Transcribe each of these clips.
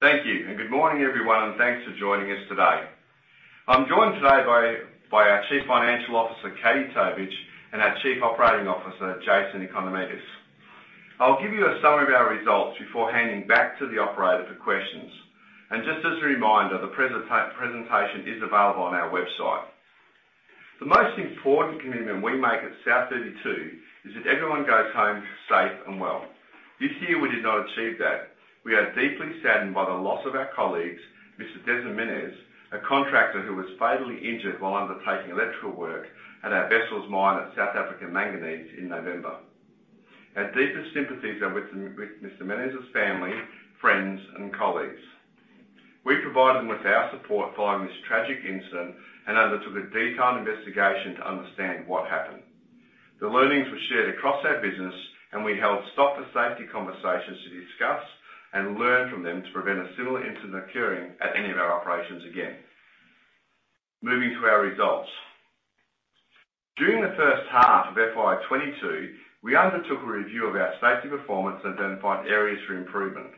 Thank you. Good morning, everyone, and thanks for joining us today. I'm joined today by our Chief Financial Officer, Katie Tovich, and our Chief Operating Officer, Jason Economidis. I'll give you a summary of our results before handing back to the operator for questions. Just as a reminder, the presentation is available on our website. The most important commitment we make at South32 is that everyone goes home safe and well. This year, we did not achieve that. We are deeply saddened by the loss of our colleagues, Mr. Desmin Mienies, a contractor who was fatally injured while undertaking electrical work at our Wessels mine at South Africa Manganese in November. Our deepest sympathies are with Mr. Mienies' family, friends, and colleagues. We provide them with our support following this tragic incident and undertook a detailed investigation to understand what happened. The learnings were shared across our business, and we held stop the safety conversations to discuss and learn from them to prevent a similar incident occurring at any of our operations again. Moving to our results. During the first half of FY 2022, we undertook a review of our safety performance and identified areas for improvement.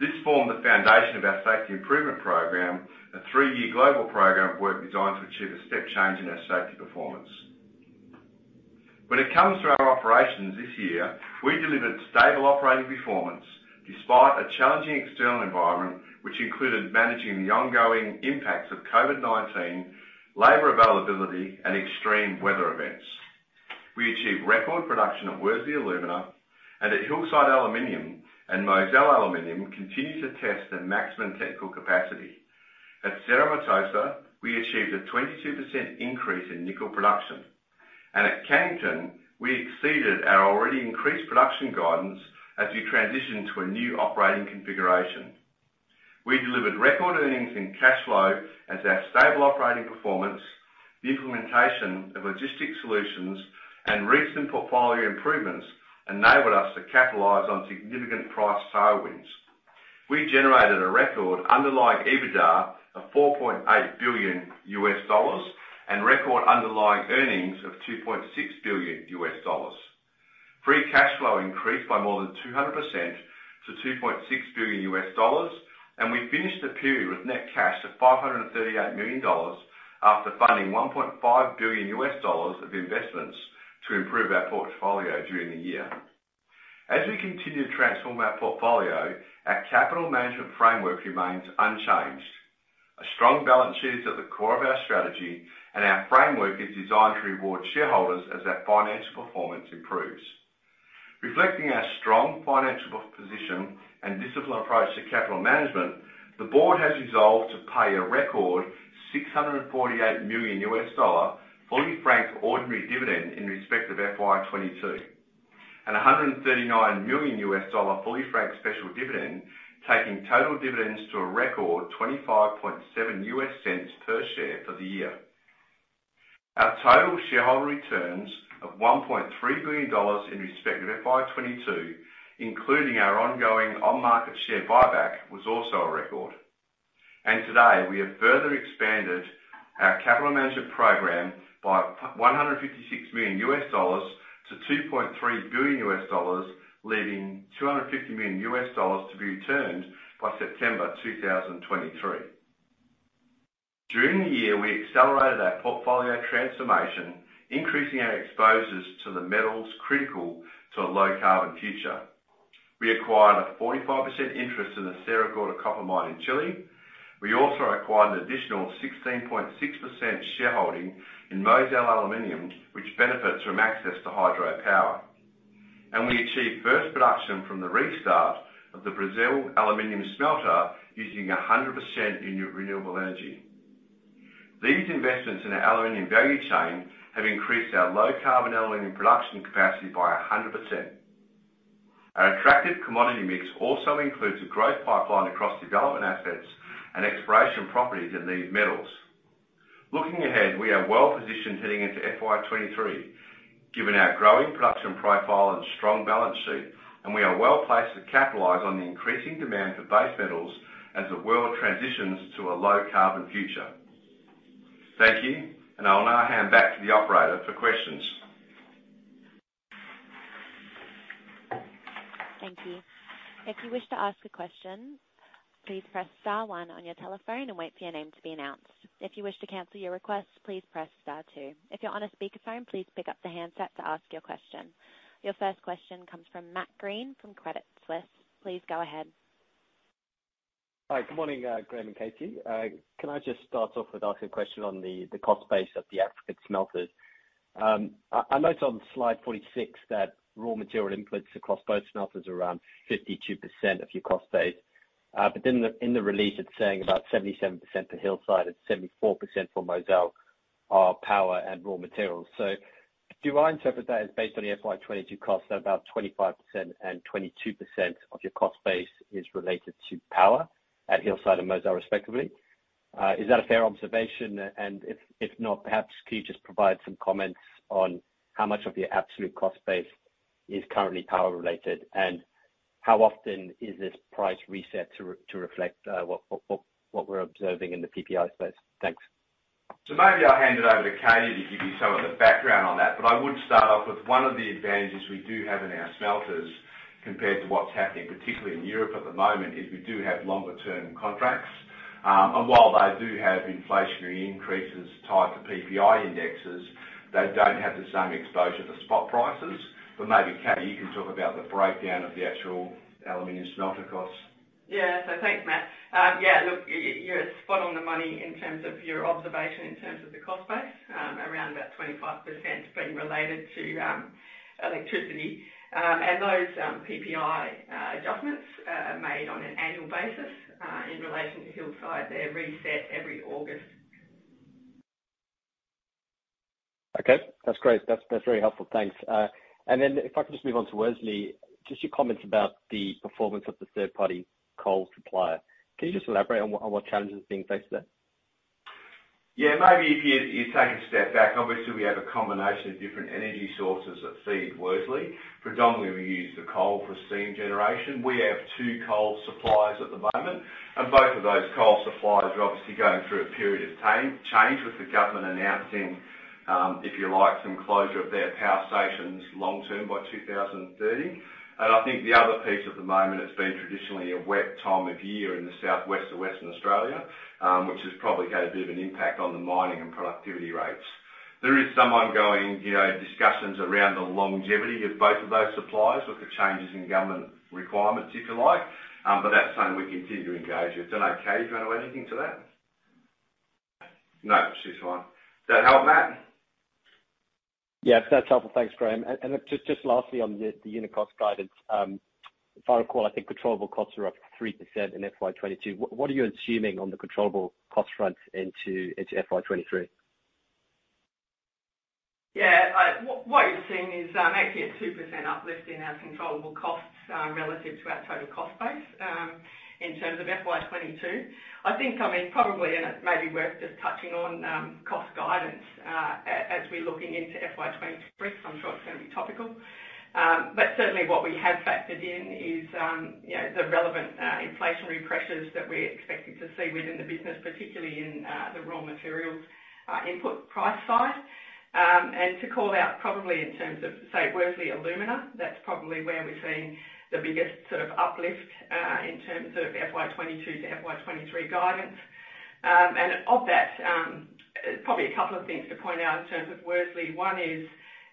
This formed the foundation of our safety improvement program, a three-year global program of work designed to achieve a step change in our safety performance. When it comes to our operations this year, we delivered stable operating performance despite a challenging external environment, which included managing the ongoing impacts of COVID-19, labor availability, and extreme weather events. We achieved record production at Worsley Alumina and at Hillside Aluminium and Mozal Aluminium continue to test their maximum technical capacity. At Cerro Matoso, we achieved a 22% increase in nickel production. At Cannington, we exceeded our already increased production guidance as we transitioned to a new operating configuration. We delivered record earnings and cash flow as our stable operating performance, the implementation of logistics solutions, and recent portfolio improvements enabled us to capitalize on significant price tailwinds. We generated a record underlying EBITDA of $4.8 billion and record underlying earnings of $2.6 billion. Free cash flow increased by more than 200% to $2.6 billion, and we finished the period with net cash of $538 million after funding $1.5 billion of investments to improve our portfolio during the year. As we continue to transform our portfolio, our capital management framework remains unchanged. A strong balance sheet is at the core of our strategy, and our framework is designed to reward shareholders as our financial performance improves. Reflecting our strong financial position and disciplined approach to capital management, the board has resolved to pay a record $648 million fully franked ordinary dividend in respect of FY 2022, and a $139 million fully franked special dividend, taking total dividends to a record $0.257 per share for the year. Our total shareholder returns of $1.3 billion in respect of FY 2022, including our ongoing on-market share buyback, was also a record. Today, we have further expanded our capital management program by $156 million to $2.3 billion, leaving $250 million to be returned by September 2023. During the year, we accelerated our portfolio transformation, increasing our exposures to the metals critical to a low carbon future. We acquired a 45% interest in the Sierra Gorda copper mine in Chile. We also acquired an additional 16.6% shareholding in Mozal Aluminium, which benefits from access to hydropower. We achieved first production from the restart of the Brazil aluminium smelter using 100% renewable energy. These investments in our aluminium value chain have increased our low carbon aluminium production capacity by 100%. Our attractive commodity mix also includes a growth pipeline across development assets and exploration properties in these metals. Looking ahead, we are well positioned heading into FY 2023, given our growing production profile and strong balance sheet, and we are well placed to capitalize on the increasing demand for base metals as the world transitions to a low carbon future. Thank you, and I will now hand back to the operator for questions. Thank you. If you wish to ask a question, please press star one on your telephone and wait for your name to be announced. If you wish to cancel your request, please press star two. If you're on a speakerphone, please pick up the handset to ask your question. Your first question comes from Matt Green from Credit Suisse. Please go ahead. Hi, good morning, Graham and Katie. Can I just start off with asking a question on the cost base of the African smelters? I noticed on slide 46 that raw material inputs across both smelters are around 52% of your cost base. In the release, it's saying about 77% for Hillside and 74% for Mozal are power and raw materials. Do I interpret that as based on the FY 2022 costs at about 25% and 22% of your cost base is related to power at Hillside and Mozal respectively? Is that a fair observation? If not, perhaps can you just provide some comments on how much of your absolute cost base is currently power related, and how often is this price reset to reflect what we're observing in the PPI space? Thanks. Maybe I'll hand it over to Katie to give you some of the background on that. I would start off with one of the advantages we do have in our smelters compared to what's happening, particularly in Europe at the moment, is we do have longer-term contracts. While they do have inflationary increases tied to PPI indexes, they don't have the same exposure to spot prices. Maybe, Katie, you can talk about the breakdown of the actual aluminum smelter costs. Yeah. Thanks, Matt. You're spot on the money in terms of your observation, in terms of the cost base, around about 25% being related to electricity. Those PPI adjustments are made on an annual basis, in relation to Hillside. They're reset every August. Okay. That's great. That's very helpful. Thanks. If I could just move on to Worsley, just your comments about the performance of the third-party coal supplier. Can you just elaborate on what challenges are being faced there? Yeah. Maybe if you take a step back, obviously, we have a combination of different energy sources that feed Worsley. Predominantly, we use the coal for steam generation. We have two coal suppliers at the moment, and both of those coal suppliers are obviously going through a period of change, with the government announcing, if you like, some closure of their power stations long term by 2030. I think the other piece at the moment, it's been traditionally a wet time of year in the southwest of Western Australia, which has probably had a bit of an impact on the mining and productivity rates. There is some ongoing, you know, discussions around the longevity of both of those suppliers with the changes in government requirements, if you like. That's something we continue to engage with. I don't know, Katie, if you want to add anything to that? No, she's fine. Does that help, Matt? Yeah. That's helpful. Thanks, Graham. Just lastly on the unit cost guidance, if I recall, I think controllable costs are up 3% in FY 2022. What are you assuming on the controllable cost front into FY 2023? Yeah. What you're seeing is actually a 2% uplift in our controllable costs relative to our total cost base in terms of FY 2022. I think, I mean, probably, it may be worth just touching on cost guidance as we're looking into FY 2023, because I'm sure it's gonna be topical. Certainly what we have factored in is you know the relevant inflationary pressures that we're expecting to see within the business, particularly in the raw materials input price side. To call out probably in terms of, say, Worsley Alumina, that's probably where we're seeing the biggest sort of uplift in terms of FY 2022 to FY 2023 guidance. Of that, probably a couple of things to point out in terms of Worsley. One is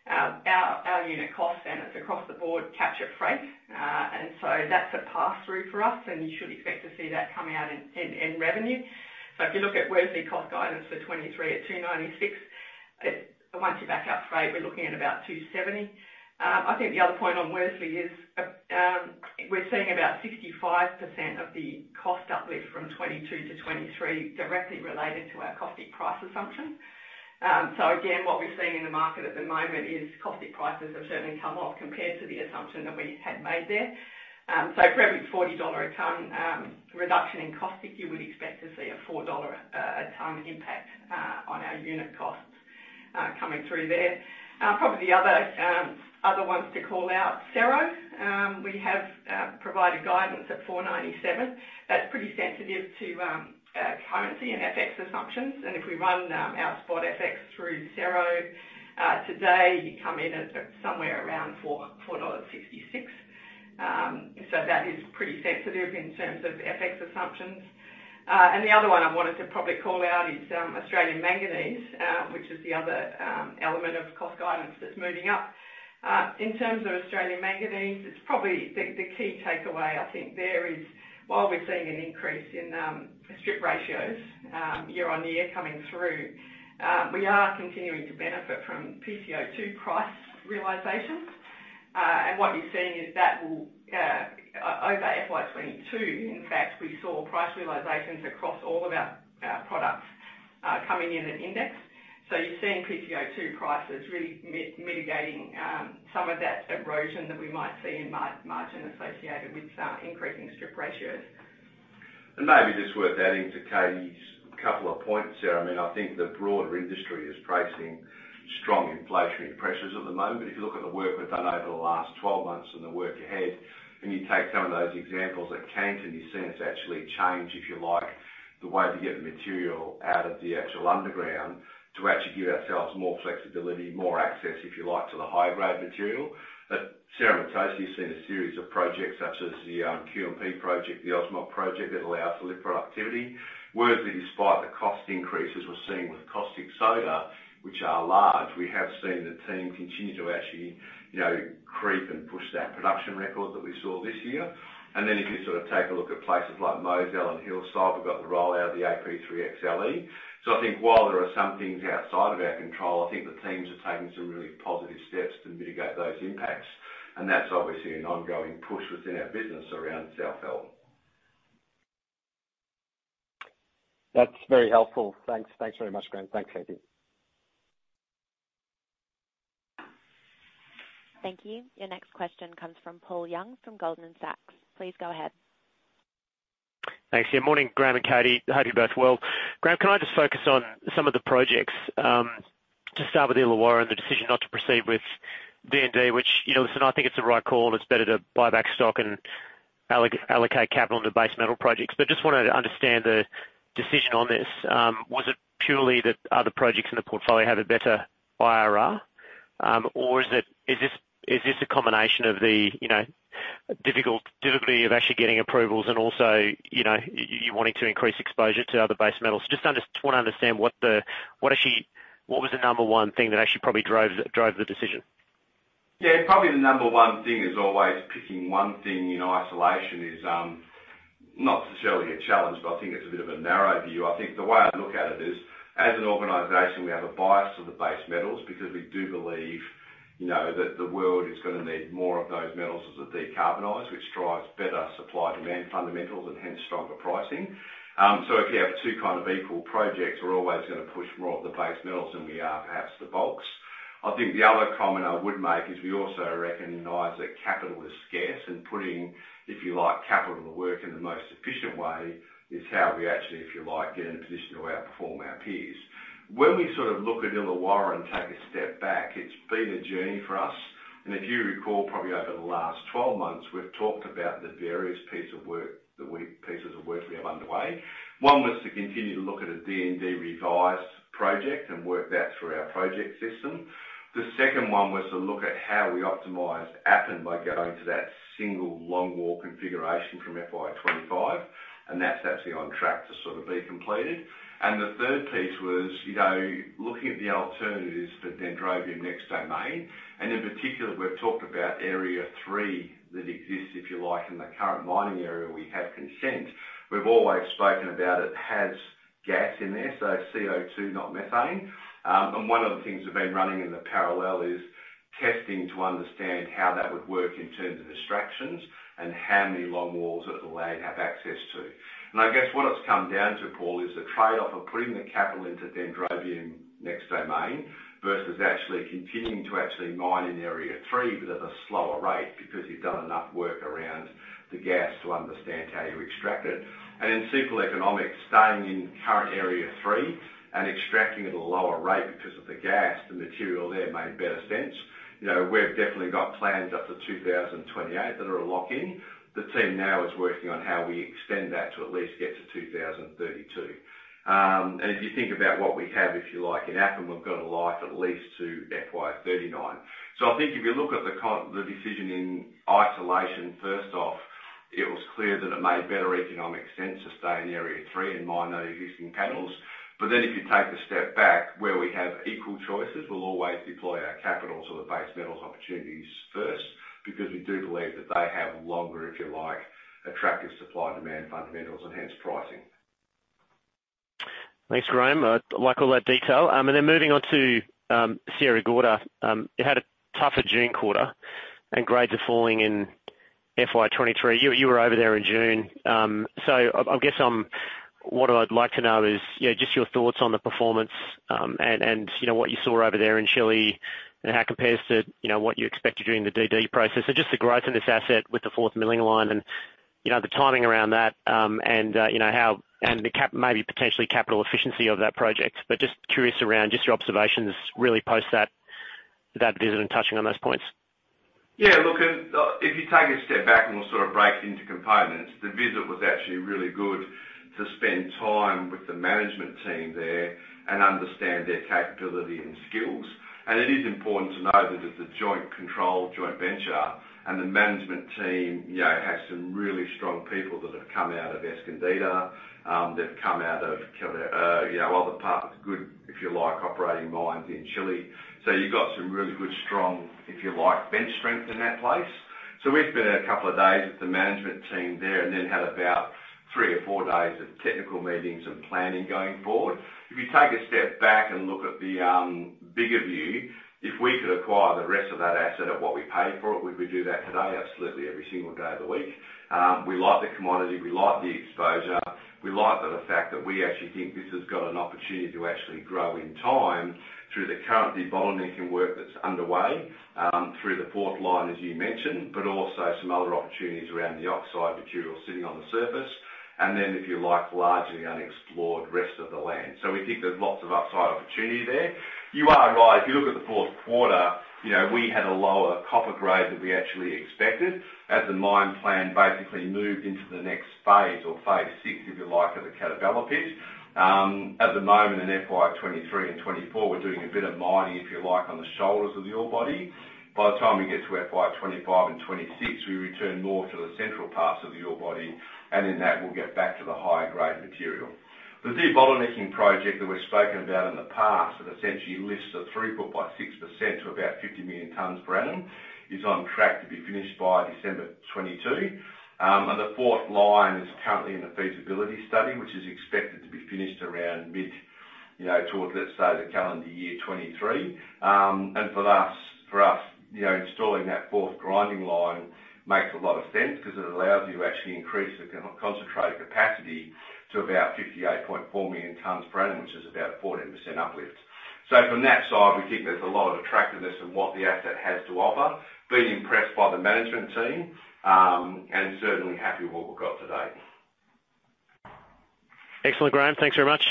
our unit costs, and it's across the board, capture freight. That's a pass-through for us, and you should expect to see that come out in revenue. If you look at Worsley cost guidance for 2023 at $296, it once you back out freight, we're looking at about $270. I think the other point on Worsley is we're seeing about 65% of the cost uplift from 2022 to 2023 directly related to our caustic price assumption. Again, what we're seeing in the market at the moment is caustic prices have certainly come off compared to the assumption that we had made there. For every $40 a ton reduction in caustic, you would expect to see a $4 a ton impact on our unit costs coming through there. Probably the other ones to call out, Cerro. We have provided guidance at $497. That's pretty sensitive to currency and FX assumptions. If we run our spot FX through Cerro today, you come in at somewhere around $444-$466. That is pretty sensitive in terms of FX assumptions. The other one I wanted to probably call out is Australia Manganese, which is the other element of cost guidance that's moving up. In terms of Australia Manganese, it's probably the key takeaway I think there is while we're seeing an increase in strip ratios year-on-year coming through, we are continuing to benefit from PCO2 price realizations. What you're seeing is that over FY 2022, in fact, we saw price realizations across all of our products coming in at index. You're seeing PCO2 prices really mitigating some of that erosion that we might see in margin associated with increasing strip ratios. Maybe just worth adding to Katie's couple of points there. I mean, I think the broader industry is pricing strong inflationary pressures at the moment. If you look at the work we've done over the last 12 months and the work ahead, and you take some of those examples at Cannington, you've seen us actually change, if you like, the way we get the material out of the actual underground to actually give ourselves more flexibility, more access, if you like, to the high-grade material. At Cerro Matoso, you've seen a series of projects such as the QMP project, the OSMO project that allow us to lift productivity. Worsley, despite the cost increases we're seeing with caustic soda, which are large, we have seen the team continue to actually, you know, creep and push that production record that we saw this year. If you sort of take a look at places like Mozal and Hillside, we've got the rollout of the AP3XLE. I think while there are some things outside of our control, I think the teams are taking some really positive steps to mitigate those impacts. That's obviously an ongoing push within our business around sustainability. That's very helpful. Thanks. Thanks very much, Graham. Thanks, Katie. Thank you. Your next question comes from Paul Young from Goldman Sachs. Please go ahead. Thanks. Yeah. Morning, Graham and Katie. Hope you're both well. Graham, can I just focus on some of the projects. To start with Illawarra and the decision not to proceed with DND, which, you know, listen, I think it's the right call, and it's better to buy back stock and allocate capital in the base metal projects. Just wanted to understand the decision on this. Was it purely that other projects in the portfolio have a better IRR, or is it. Is this a combination of the, you know, difficulty of actually getting approvals and also, you know, you wanting to increase exposure to other base metals. Just wanna understand what actually, what was the number one thing that actually probably drove the decision. Yeah, probably the number one thing is always picking one thing in isolation is not necessarily a challenge, but I think it's a bit of a narrow view. I think the way I look at it is, as an organization, we have a bias to the base metals because we do believe, you know, that the world is gonna need more of those metals as they decarbonize, which drives better supply-demand fundamentals and hence stronger pricing. If you have two kind of equal projects, we're always gonna push more of the base metals than we are perhaps the bulks. I think the other comment I would make is we also recognize that capital is scarce and putting, if you like, capital to work in the most efficient way is how we actually, if you like, get in a position to outperform our peers. When we sort of look at Illawarra and take a step back, it's been a journey for us. If you recall, probably over the last 12 months, we've talked about the various pieces of work we have underway. One was to continue to look at a DND revised project and work that through our project system. The second one was to look at how we optimize Appin by going to that single longwall configuration from FY 25, and that's actually on track to sort of be completed. The third piece was, you know, looking at the alternatives for Dendrobium Next Domain, and in particular, we've talked about area three that exists, if you like, in the current mining area we have consent. We've always spoken about it has gas in there, so CO2, not methane. One of the things we've been running in parallel is testing to understand how that would work in terms of extractions and how many long walls it'll have access to. I guess what it's come down to, Paul, is the trade-off of putting the capital into Dendrobium Next Domain versus actually continuing to mine in Area 3, but at a slower rate, because you've done enough work around the gas to understand how you extract it. In simple economics, staying in current Area 3 and extracting at a lower rate because of the gas, the material there made better sense. You know, we've definitely got plans up to 2028 that are a lock-in. The team now is working on how we extend that to at least get to 2032. If you think about what we have, if you like, in Appin, we've got a life at least to FY39. I think if you look at the decision in isolation, first off, it was clear that it made better economic sense to stay in the area three and mine those existing panels. If you take a step back, where we have equal choices, we'll always deploy our capital to the base metals opportunities first because we do believe that they have longer, if you like, attractive supply-demand fundamentals and hence pricing. Thanks, Graham. I like all that detail. Then moving on to Sierra Gorda. You had a tougher June quarter, and grades are falling in FY 2023. You were over there in June. I guess what I'd like to know is, you know, just your thoughts on the performance and, you know, what you saw over there in Chile and how it compares to, you know, what you expected during the DD process. Just the growth in this asset with the fourth milling line and, you know, the timing around that and the capital efficiency of that project, but just curious around just your observations really post that visit and touching on those points. Yeah. Look, if you take a step back and we'll sort of break it into components, the visit was actually really good to spend time with the management team there and understand their capability and skills. It is important to note that it's a joint control, joint venture, and the management team, you know, has some really strong people that have come out of Escondida. They've come out of, you know, other, if you like, operating mines in Chile. You've got some really good strong, if you like, bench strength in that place. We've spent a couple of days with the management team there and then had about three or four days of technical meetings and planning going forward. If you take a step back and look at the bigger view, if we could acquire the rest of that asset at what we paid for it, we would do that today, absolutely every single day of the week. We like the commodity, we like the exposure, we like the fact that we actually think this has got an opportunity to actually grow in time through the current debottlenecking work that's underway, through the fourth line, as you mentioned, but also some other opportunities around the oxide material sitting on the surface. Then if you like, largely unexplored rest of the land. We think there's lots of upside opportunity there. You are right. If you look at the fourth quarter, you know, we had a lower copper grade than we actually expected as the mine plan basically moved into the next phase or phase six, if you like, of the Catabela pit. At the moment in FY 2023 and 2024, we're doing a bit of mining, if you like, on the shoulders of the ore body. By the time we get to FY 2025 and 2026, we return more to the central parts of the ore body, and in that, we'll get back to the high-grade material. The debottlenecking project that we've spoken about in the past, that essentially lifts the throughput by 6% to about 50 million tons per annum, is on track to be finished by December 2022. The fourth line is currently in the feasibility study, which is expected to be finished around mid, you know, towards, let's say the calendar year 2023. For us, you know, installing that fourth grinding line makes a lot of sense because it allows you to actually increase the concentrate capacity to about 58.4 million tons per annum, which is about a 14% uplift. From that side, we think there's a lot of attractiveness in what the asset has to offer, been impressed by the management team, and certainly happy with what we've got today. Excellent, Graham. Thanks very much.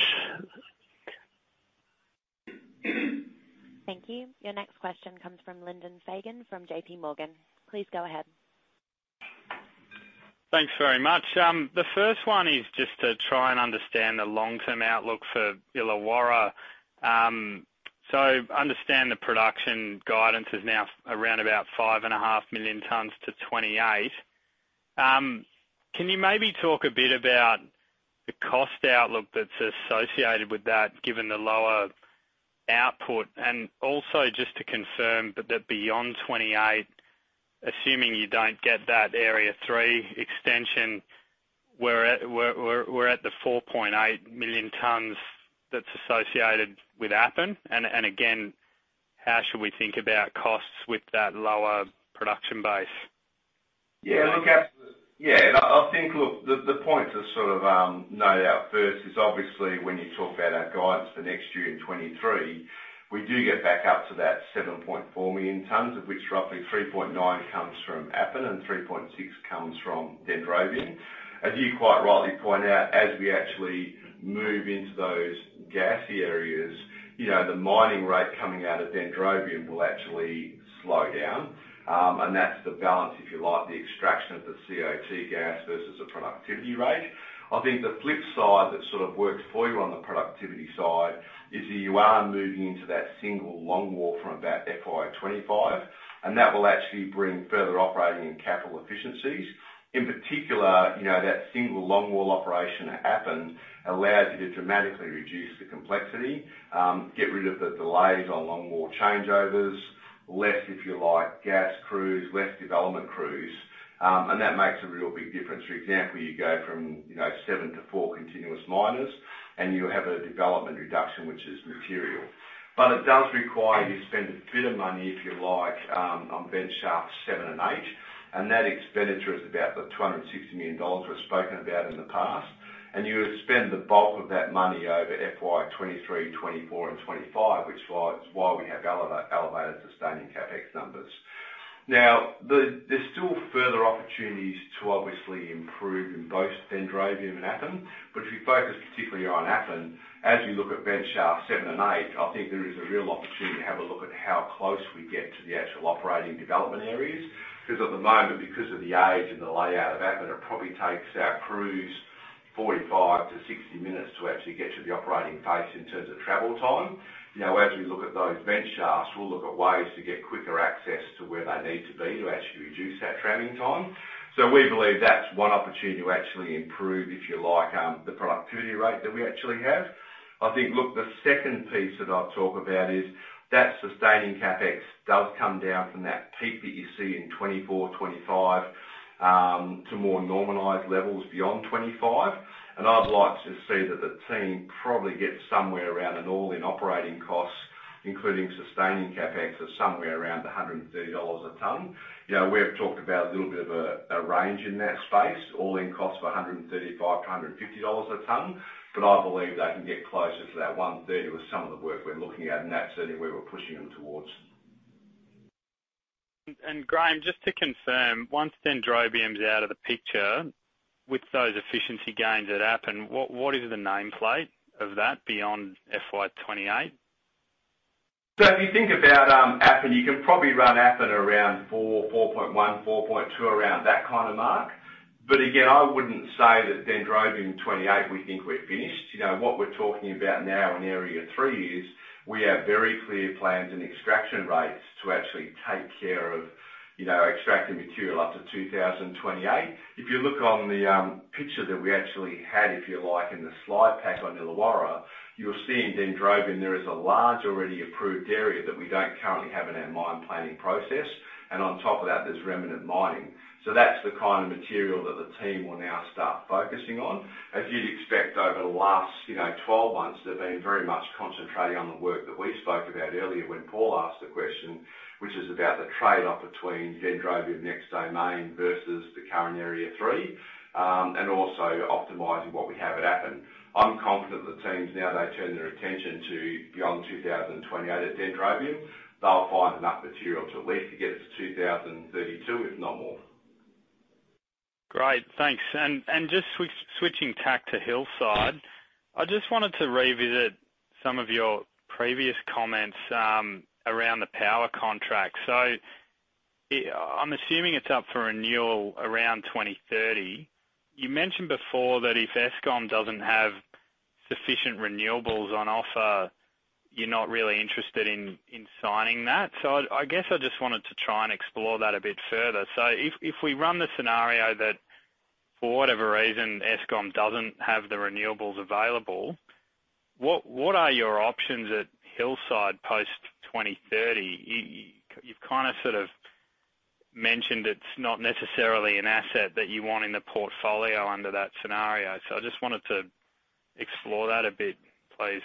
Thank you. Your next question comes from Lyndon Fagan from J.P. Morgan. Please go ahead. Thanks very much. The first one is just to try and understand the long-term outlook for Illawarra. Understand the production guidance is now around about 5.5 million tons to 2028. Can you maybe talk a bit about the cost outlook that's associated with that, given the lower output? And also just to confirm that beyond 2028, assuming you don't get that area three extension, we're at the 4.8 million tons that's associated with Appin. And again, how should we think about costs with that lower production base? I think the point to sort of note out first is obviously when you talk about our guidance for next year in 2023, we do get back up to that 7.4 million tons, of which roughly 3.9 comes from Appin and 3.6 comes from Dendrobium. As you quite rightly point out, as we actually move into those gassy areas, you know, the mining rate coming out of Dendrobium will actually slow down. That's the balance, if you like, the extraction of the CO2 gas versus the productivity rate. I think the flip side that sort of works for you on the productivity side is that you are moving into that single longwall from about FY 2025, and that will actually bring further operating and capital efficiencies. In particular, you know, that single longwall operation at Appin allows you to dramatically reduce the complexity, get rid of the delays on longwall changeovers, less, if you like, gas crews, less development crews, and that makes a real big difference. For example, you go from 7 to 4 continuous miners, and you have a development reduction, which is material. But it does require you spend a bit of money, if you like, on Ventilation Shaft 7 and 8, and that expenditure is about $260 million we've spoken about in the past. You spend the bulk of that money over FY 2023, 2024 and 2025, which is why we have elevated sustaining CapEx numbers. Now, there's still further opportunities to obviously improve in both Dendrobium and Appin, but if you focus particularly on Appin, as you look at Ventilation Shaft 7 and 8, I think there is a real opportunity to have a look at how close we get to the actual operating development areas. 'Cause at the moment, because of the age and the layout of Appin, it probably takes our crews 45-60 minutes to actually get to the operating face in terms of travel time. You know, as we look at those vent shafts, we'll look at ways to get quicker access to where they need to be to actually reduce that traveling time. We believe that's one opportunity to actually improve, if you like, the productivity rate that we actually have. I think, look, the second piece that I'll talk about is that sustaining CapEx does come down from that peak that you see in 2024/2025, to more normalized levels beyond 2025. I'd like to see that the team probably gets somewhere around an all-in operating costs, including sustaining CapEx, of somewhere around $130 a ton. You know, we have talked about a little bit of a range in that space, all-in costs of $135 to $150 a ton, but I believe they can get closer to that 130 with some of the work we're looking at, and that's certainly where we're pushing them towards. Graham, just to confirm, once Dendrobium's out of the picture, with those efficiency gains at Appin, what is the nameplate of that beyond FY 2028? If you think about Appin, you can probably run Appin around 4.1, 4.2, around that kind of mark. But again, I wouldn't say that Dendrobium 28, we think we're finished. You know, what we're talking about now in area 3 is we have very clear plans and extraction rates to actually take care of, you know, extracting material up to 2028. If you look on the picture that we actually had, if you like, in the slide pack on Illawarra, you'll see in Dendrobium, there is a large already approved area that we don't currently have in our mine planning process. And on top of that, there's remnant mining. That's the kind of material that the team will now start focusing on. As you'd expect over the last, you know, 12 months, they've been very much concentrating on the work that we spoke about earlier when Paul asked the question, which is about the trade-off between Dendrobium Next Domain versus the current Area 3, and also optimizing what we have at Appin. I'm confident the teams, now they turn their attention to beyond 2028 at Dendrobium, they'll find enough material to at least get us to 2032, if not more. Great. Thanks. Just switching tack to Hillside, I just wanted to revisit some of your previous comments around the power contract. I'm assuming it's up for renewal around 2030. You mentioned before that if Eskom doesn't have sufficient renewables on offer, you're not really interested in signing that. I guess I just wanted to try and explore that a bit further. If we run the scenario that for whatever reason, Eskom doesn't have the renewables available, what are your options at Hillside post 2030? You've kinda sort of mentioned it's not necessarily an asset that you want in the portfolio under that scenario. I just wanted to explore that a bit, please.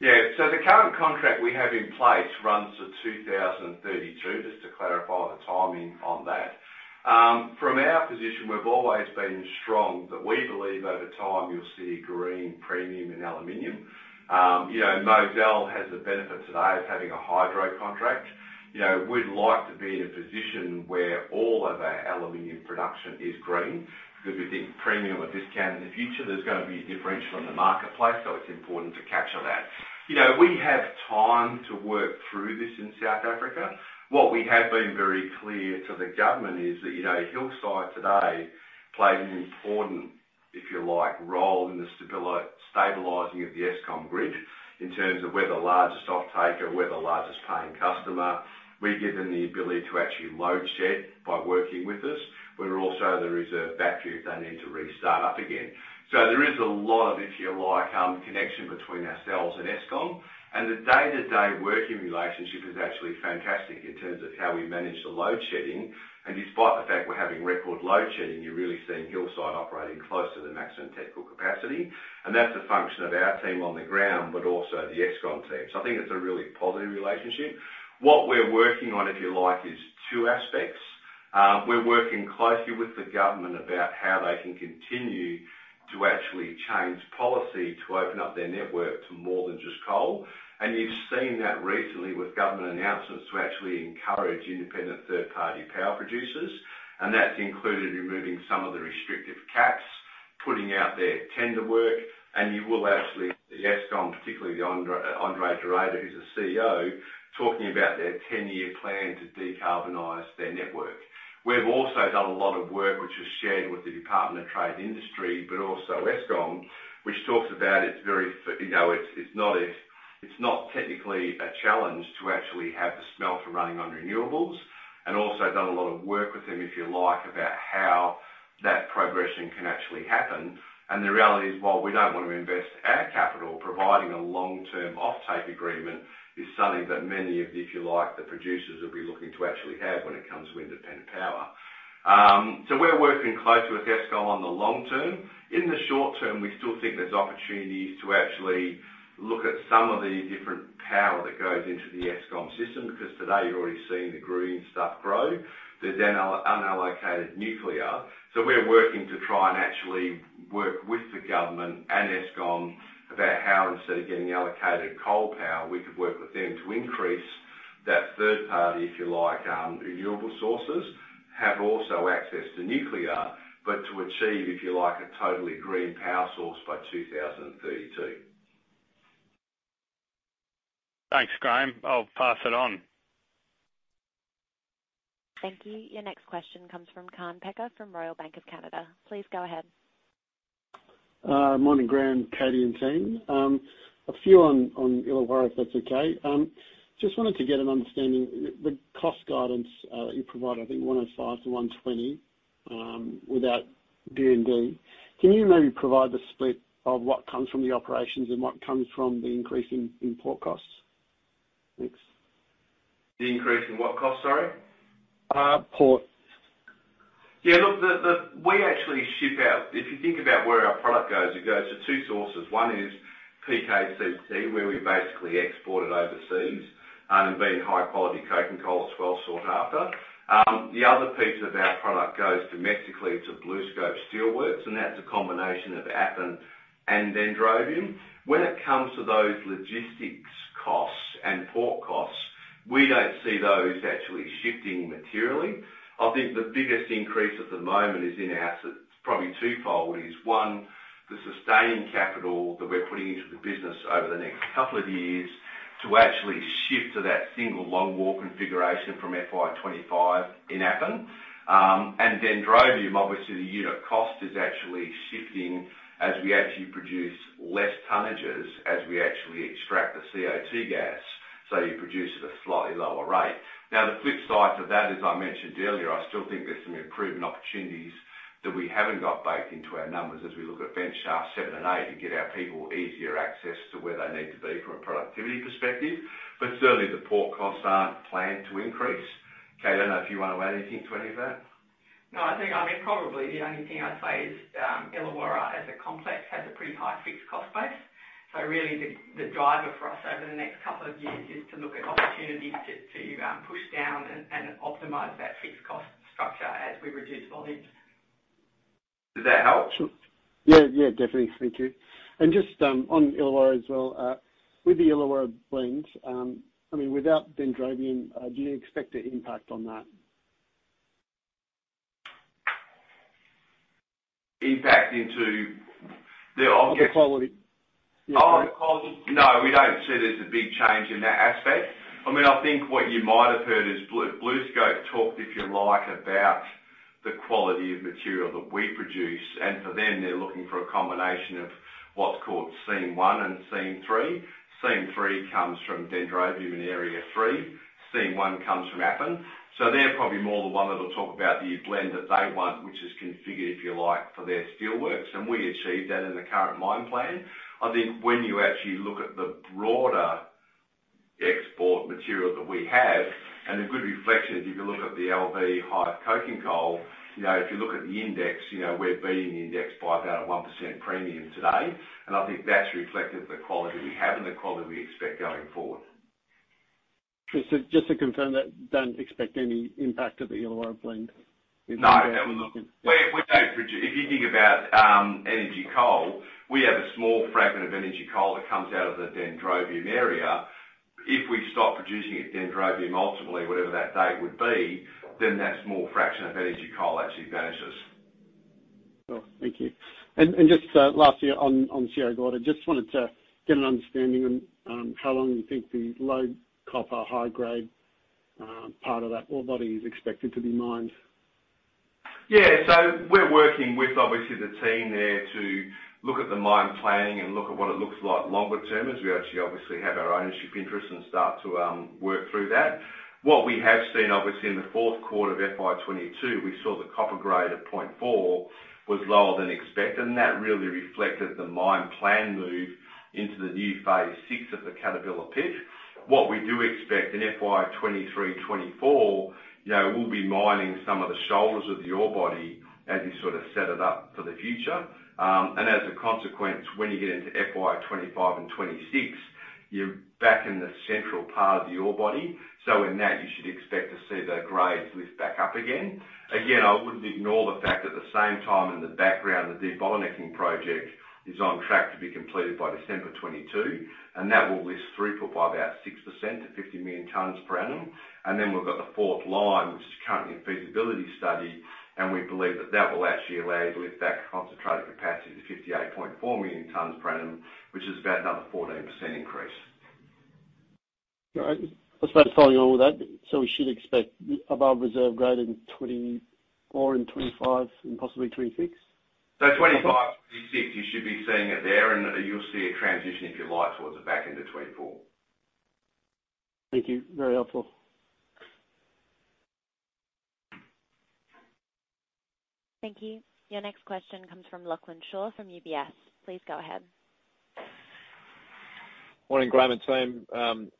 Yeah. The current contract we have in place runs to 2032, just to clarify the timing on that. From our position, we've always been strong that we believe over time you'll see a green premium in aluminum. You know, Mozal has the benefit today of having a hydro contract. You know, we'd like to be in a position where all of our aluminum production is green. Because we think premium or discount in the future, there's gonna be a differential in the marketplace, so it's important to capture that. You know, we have time to work through this in South Africa. What we have been very clear to the government is that, you know, Hillside today plays an important, if you like, role in the stabilizing of the Eskom grid in terms of we're the largest offtaker, we're the largest paying customer. We've given the ability to actually load shedding by working with us. We're also the reserve battery if they need to restart up again. There is a lot of, if you like, connection between ourselves and Eskom, and the day-to-day working relationship is actually fantastic in terms of how we manage the load shedding. Despite the fact we're having record load shedding, you're really seeing Hillside operating close to the maximum technical capacity. That's a function of our team on the ground, but also the Eskom team. I think it's a really positive relationship. What we're working on, if you like, is two aspects. We're working closely with the government about how they can continue to actually change policy to open up their network to more than just coal. You've seen that recently with government announcements to actually encourage independent third-party power producers. That's included removing some of the restrictive caps, putting out their tender work. You will actually see Eskom, particularly the André de Ruyter, who's the CEO, talking about their ten-year plan to decarbonize their network. We've also done a lot of work, which was shared with the Department of Trade, Industry, but also Eskom, which talks about you know, it's not a, it's not technically a challenge to actually have the smelter running on renewables, and also done a lot of work with them, if you like, about how that progression can actually happen. The reality is, while we don't wanna invest our capital, providing a long-term offtake agreement is something that many of, if you like, the producers will be looking to actually have when it comes to independent power. We're working closely with Eskom on the long term. In the short term, we still think there's opportunities to actually look at some of the different power that goes into the Eskom system, because today you're already seeing the green stuff grow. There's then unallocated nuclear. We're working to try and actually work with the government and Eskom about how, instead of getting allocated coal power, we could work with them to increase that third party, if you like, renewable sources, have also access to nuclear, but to achieve, if you like, a totally green power source by 2032. Thanks, Graham. I'll pass it on. Thank you. Your next question comes from Kaan Peker from Royal Bank of Canada. Please go ahead. Morning, Graham, Katie, and team. A few on Illawarra, if that's okay. Just wanted to get an understanding. The cost guidance you provided, I think $105-$120, without DND. Can you maybe provide the split of what comes from the operations and what comes from the increase in import costs? Thanks. The increase in what cost? Sorry? Port. We actually ship out. If you think about where our product goes, it goes to two sources. One is PKCT, where we basically export it overseas, and being high quality coking coal, it's well sought after. The other piece of our product goes domestically to BlueScope Steelworks, and that's a combination of Appin and Dendrobium. When it comes to those logistics costs and port costs, we don't see those actually shifting materially. I think the biggest increase at the moment is probably twofold, one, the sustaining capital that we're putting into the business over the next couple of years to actually shift to that single long-wall configuration from FY 25 in Appin. Dendrobium, obviously, the unit cost is actually shifting as we actually produce less tonnages as we actually extract the CO2 gas. You produce at a slightly lower rate. Now, the flip side to that, as I mentioned earlier, I still think there's some improvement opportunities that we haven't got baked into our numbers as we look at Ventilation Shaft 7 and 8 to get our people easier access to where they need to be from a productivity perspective. Certainly, the port costs aren't planned to increase. Katie, I don't know if you wanna add anything to any of that. No, I think, I mean, probably the only thing I'd say is Illawarra as a complex has a pretty high fixed cost base. Really the driver for us over the next couple of years is to look at opportunities to push down and optimize that fixed cost structure as we reduce volumes. Does that help? Sure. Yeah, yeah, definitely. Thank you. Just on Illawarra as well. With the Illawarra blends, I mean, without Dendrobium, do you expect an impact on that? There obviously The quality. Oh, the quality. No, we don't see there's a big change in that aspect. I mean, I think what you might have heard is BlueScope talked, if you like, about the quality of material that we produce, and for them, they're looking for a combination of what's called seam 1 and seam 3. Seam 3 comes from Dendrobium in Area 3. Seam 1 comes from Appin. They're probably more the one that'll talk about the blend that they want, which is configured, if you like, for their steelworks, and we achieve that in the current mine plan. I think when you actually look at the broader export material that we have, and a good reflection is if you look at the low-vol coking coal, you know, if you look at the index, you know, we're beating the index by about a 1% premium today. I think that's reflective of the quality we have and the quality we expect going forward. Just to confirm that you don't expect any impact to the Illawarra blend with that. No, we're not. If you think about energy coal, we have a small fraction of energy coal that comes out of the Dendrobium area. If we stop producing at Dendrobium, ultimately, whatever that date would be, then that small fraction of energy coal actually vanishes. Sure. Thank you. Just lastly on Sierra Gorda, just wanted to get an understanding on how long you think the low copper high grade part of that ore body is expected to be mined. Yeah. We're working with obviously the team there to look at the mine planning and look at what it looks like longer term, as we actually obviously have our ownership interest and start to work through that. What we have seen, obviously in the fourth quarter of FY 2022, we saw the copper grade at 0.4 was lower than expected, and that really reflected the mine plan move into the new phase 6 of the Catabela pit. What we do expect in FY 2023, 2024, you know, we'll be mining some of the shoulders of the ore body as you sort of set it up for the future. And as a consequence, when you get into FY 2025 and 2026, you're back in the central part of the ore body. In that, you should expect to see the grades lift back up again. Again, I wouldn't ignore the fact at the same time in the background, the de-bottlenecking project is on track to be completed by December 2022, and that will lift throughput by about 60% to 50 million tons per annum. We've got the fourth line, which is currently in feasibility study, and we believe that that will actually allow you to lift that concentrate capacity to 58.4 million tons per annum, which is about another 14% increase. All right. I suppose following on with that, so we should expect above reserve grade in 2024 and 2025 and possibly 2026? 2025, 2026, you should be seeing it there, and you'll see a transition, if you like, towards the back end of 2024. Thank you. Very helpful. Thank you. Your next question comes from Lachlan Shaw from UBS. Please go ahead. Morning, Graham and team.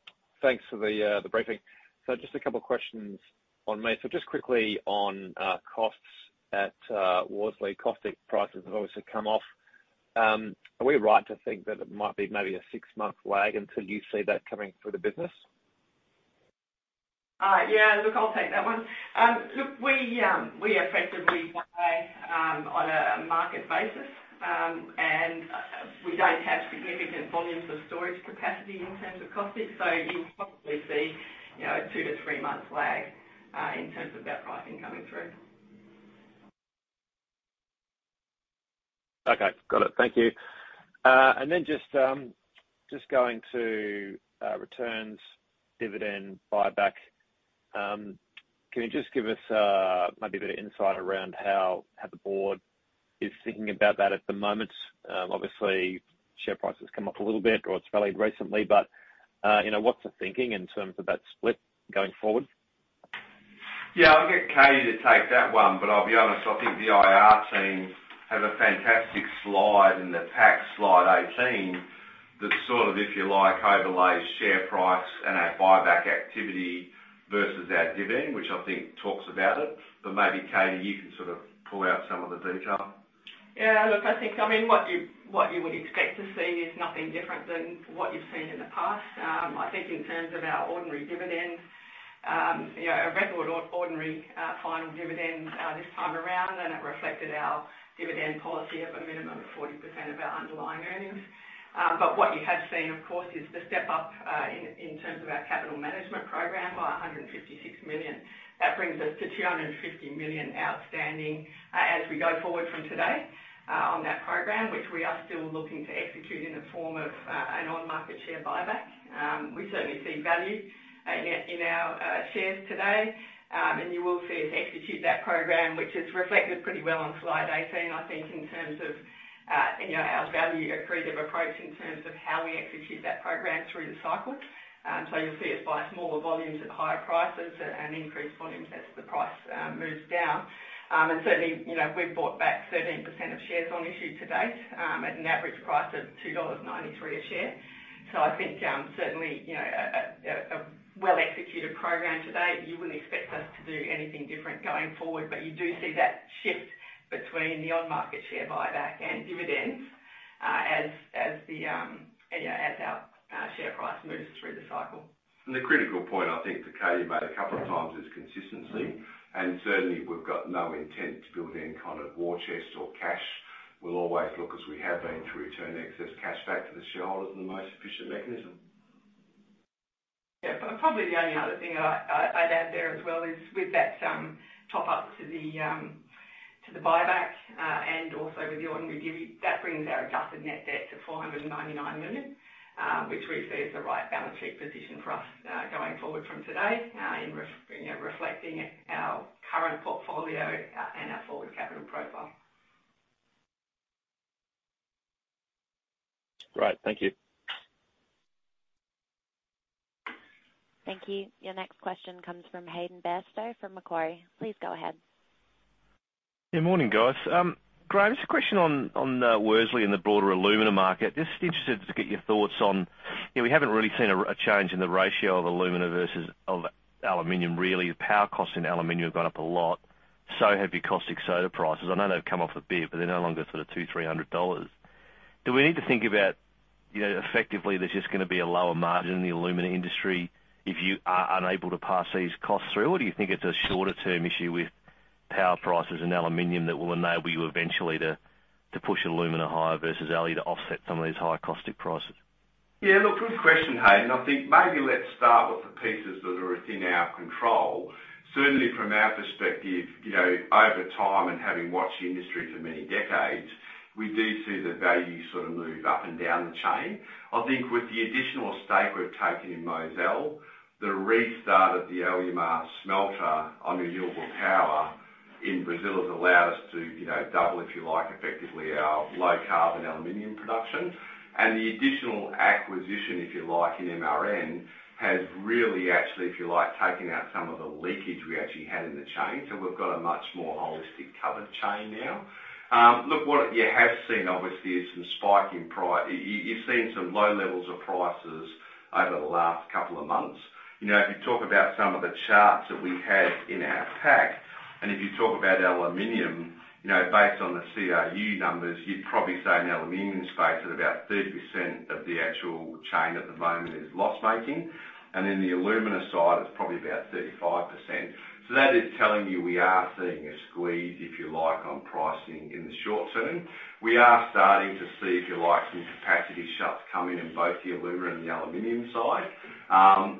Thanks for the briefing. Just a couple of questions from me. Just quickly on costs at Worsley. Caustic prices have obviously come off. Are we right to think that it might be maybe a 6-month lag until you see that coming through the business? Yeah. Look, I'll take that one. Look, we effectively buy on a market basis, and we don't have significant volumes of storage capacity in terms of caustics. So you'll probably see, you know, a 2-3-month lag in terms of that pricing coming through. Okay. Got it. Thank you. Just going to returns, dividend, buyback. Can you just give us maybe a bit of insight around how the board is thinking about that at the moment? Obviously, share price has come up a little bit or it's valued recently, but you know, what's the thinking in terms of that split going forward? Yeah, I'll get Katie to take that one, but I'll be honest, I think the IR team have a fantastic slide in the pack, slide 18, that sort of, if you like, overlays share price and our buyback activity versus our dividend, which I think talks about it. Maybe, Katie, you can sort of pull out some of the detail. Yeah, look, I think, I mean, what you would expect to see is nothing different than what you've seen in the past. I think in terms of our ordinary dividend, you know, a record ordinary final dividend this time around, and it reflected our dividend policy of a minimum of 40% of our underlying earnings. What you have seen, of course, is the step up in terms of our capital management program by $156 million. That brings us to $250 million outstanding as we go forward from today on that program, which we are still looking to execute in the form of an on-market share buyback. We certainly see value in our shares today. You will see us execute that program, which is reflected pretty well on slide 18, I think, in terms of, you know, our value accretive approach in terms of how we execute that program through the cycle. You'll see us buy smaller volumes at higher prices and increase volumes as the price moves down. Certainly, you know, we've bought back 13% of shares on issue to date, at an average price of $2.93 a share. I think, certainly, you know, a well-executed program to date. You wouldn't expect us to do anything different going forward, but you do see that shift between the on-market share buyback and dividends, as the, you know, as our share price moves through the cycle. The critical point I think that Katie made a couple of times is consistency. Certainly, we've got no intent to build any kind of war chest or cash. We'll always look, as we have been, to return excess cash back to the shareholders in the most efficient mechanism. Yeah. Probably the only other thing I'd add there as well is with that top-up to the buyback and also with the ordinary divi, that brings our adjusted net debt to $499 million, which we see is the right balance sheet position for us going forward from today, you know, reflecting our current portfolio and our forward capital profile. Great. Thank you. Thank you. Your next question comes from Hayden Bairstow from Macquarie. Please go ahead. Yeah, morning, guys. Graham, just a question on Worsley and the broader alumina market. Just interested to get your thoughts on, you know, we haven't really seen a change in the ratio of alumina versus aluminum really. The power costs in aluminum have gone up a lot, so have your caustic soda prices. I know they've come off a bit, but they're no longer sort of $200-$300. Do we need to think about, you know, effectively there's just gonna be a lower margin in the alumina industry if you are unable to pass these costs through? Or do you think it's a shorter-term issue with power prices in aluminum that will enable you eventually to push alumina higher versus aluminum to offset some of these high caustic prices. Yeah. Look, good question, Hayden. I think maybe let's start with the pieces that are within our control. Certainly from our perspective, you know, over time and having watched the industry for many decades, we do see the value sort of move up and down the chain. I think with the additional stake we've taken in Mozal, the restart of the Alumar smelter on renewable power in Brazil has allowed us to, you know, double, if you like, effectively our low carbon aluminum production. The additional acquisition, if you like, in MRN, has really actually, if you like, taken out some of the leakage we actually had in the chain. We've got a much more holistic covered chain now. Look, what you have seen obviously is some low levels of prices over the last couple of months. You know, if you talk about some of the charts that we had in our pack, and if you talk about aluminum, you know, based on the CRU numbers, you'd probably say an aluminum space at about 30% of the value chain at the moment is loss-making. In the alumina side, it's probably about 35%. That is telling you we are seeing a squeeze, if you like, on pricing in the short term. We are starting to see, if you like, some capacity shutdowns come in both the alumina and the aluminum side.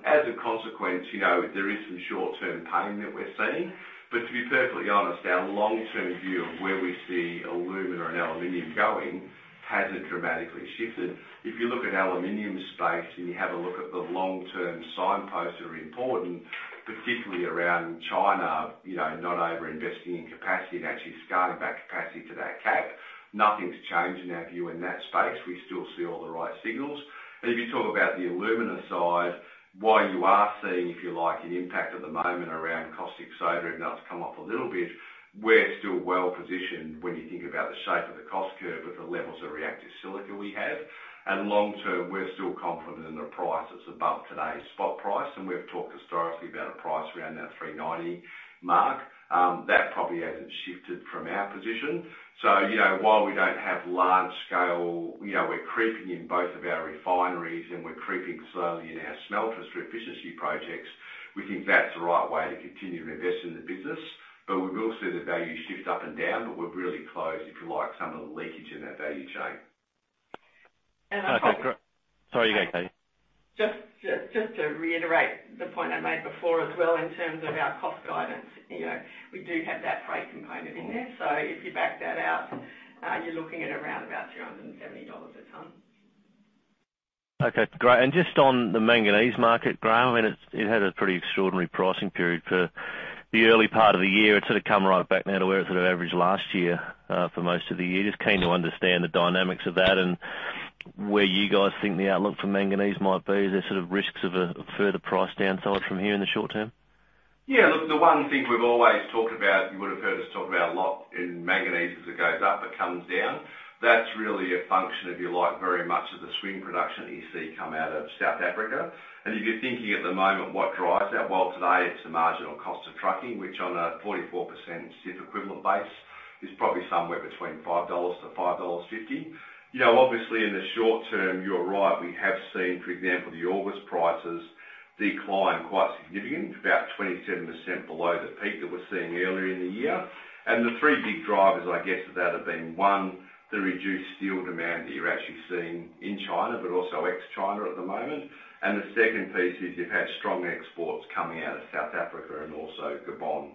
As a consequence, you know, there is some short-term pain that we're seeing. To be perfectly honest, our long-term view of where we see alumina and aluminum going hasn't dramatically shifted. If you look at aluminum space and you have a look at the long-term signposts that are important, particularly around China, you know, not over-investing in capacity and actually scaling back capacity to that cap, nothing's changed in our view in that space. We still see all the right signals. If you talk about the alumina side, while you are seeing, if you like, an impact at the moment around caustic soda, even though it's come off a little bit, we're still well-positioned when you think about the shape of the cost curve with the levels of reactive silica we have. Long term, we're still confident in a price that's above today's spot price, and we've talked historically about a price around that $390 mark. That probably hasn't shifted from our position. you know, while we don't have large scale, you know, we're creeping in both of our refineries, and we're creeping slowly in our smelters through efficiency projects. We think that's the right way to continue to invest in the business, but we will see the value shift up and down, but we've really closed, if you like, some of the leakage in that value chain. Okay. I think. Sorry. Go ahead, Katie. Just to reiterate the point I made before as well in terms of our cost guidance, you know, we do have that freight component in there. If you back that out, you're looking at around about $370 a ton. Okay, great. Just on the manganese market, Graham, I mean, it's had a pretty extraordinary pricing period for the early part of the year. It sort of come right back now to where it sort of averaged last year for most of the year. Just keen to understand the dynamics of that and where you guys think the outlook for manganese might be. Is there sort of risks of a further price downside from here in the short term? Yeah. Look, the one thing we've always talked about, you would've heard us talk about a lot in manganese, as it goes up, it comes down. That's really a function, if you like, very much of the swing production that you see come out of South Africa. If you're thinking at the moment, what drives that? Well, today it's the marginal cost of trucking, which on a 44% CIF equivalent base is probably somewhere between $5-$5.50. You know, obviously in the short term, you're right, we have seen, for example, the August prices decline quite significantly, about 27% below the peak that we're seeing earlier in the year. The three big drivers I guess of that have been, one, the reduced steel demand that you're actually seeing in China, but also ex-China at the moment. The second piece is you've had strong exports coming out of South Africa and also Gabon.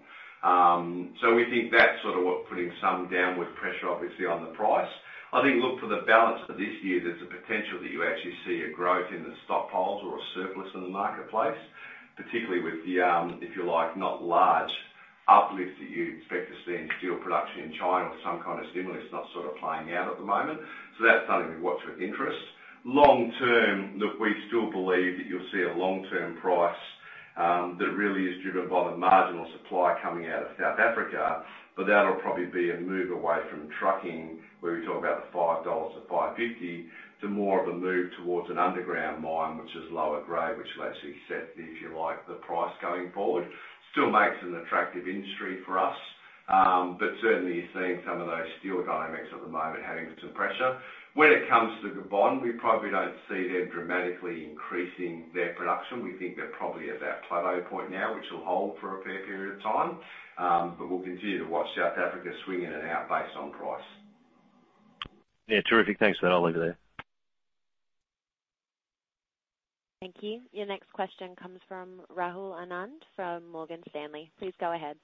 We think that's sort of what's putting some downward pressure obviously on the price. I think, look, for the balance of this year, there's a potential that you actually see a growth in the stockpiles or a surplus in the marketplace, particularly with the, if you like, not large uplift that you'd expect to see in steel production in China with some kind of stimulus, it's not sort of playing out at the moment. That's something we watch with interest. Long term, look, we still believe that you'll see a long-term price that really is driven by the marginal supply coming out of South Africa. That'll probably be a move away from trucking, where we talk about the $5-$5.50, to more of a move towards an underground mine, which is lower grade, which will actually set, if you like, the price going forward. Still makes an attractive industry for us. Certainly seeing some of those steel dynamics at the moment having some pressure. When it comes to Gabon, we probably don't see them dramatically increasing their production. We think they're probably at that plateau point now, which will hold for a fair period of time. We'll continue to watch South Africa swing in and out based on price. Yeah. Terrific. Thanks for that. I'll leave it there. Thank you. Your next question comes from Rahul Anand from Morgan Stanley. Please go ahead.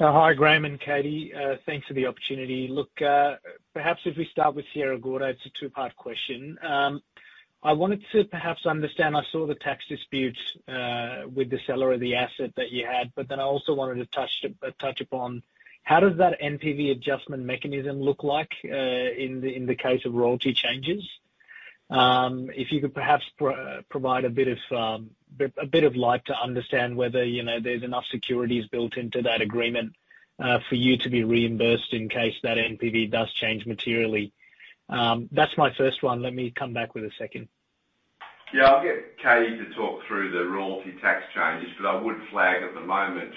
Hi, Graham and Katie. Thanks for the opportunity. Look, perhaps if we start with Sierra Gorda, it's a two-part question. I wanted to perhaps understand, I saw the tax disputes with the seller of the asset that you had, but then I also wanted to touch upon how does that NPV adjustment mechanism look like in the case of royalty changes? If you could perhaps provide a bit of light to understand whether, you know, there's enough securities built into that agreement for you to be reimbursed in case that NPV does change materially. That's my first one. Let me come back with a second. Yeah. I'll get Katie to talk through the royalty tax changes, but I would flag at the moment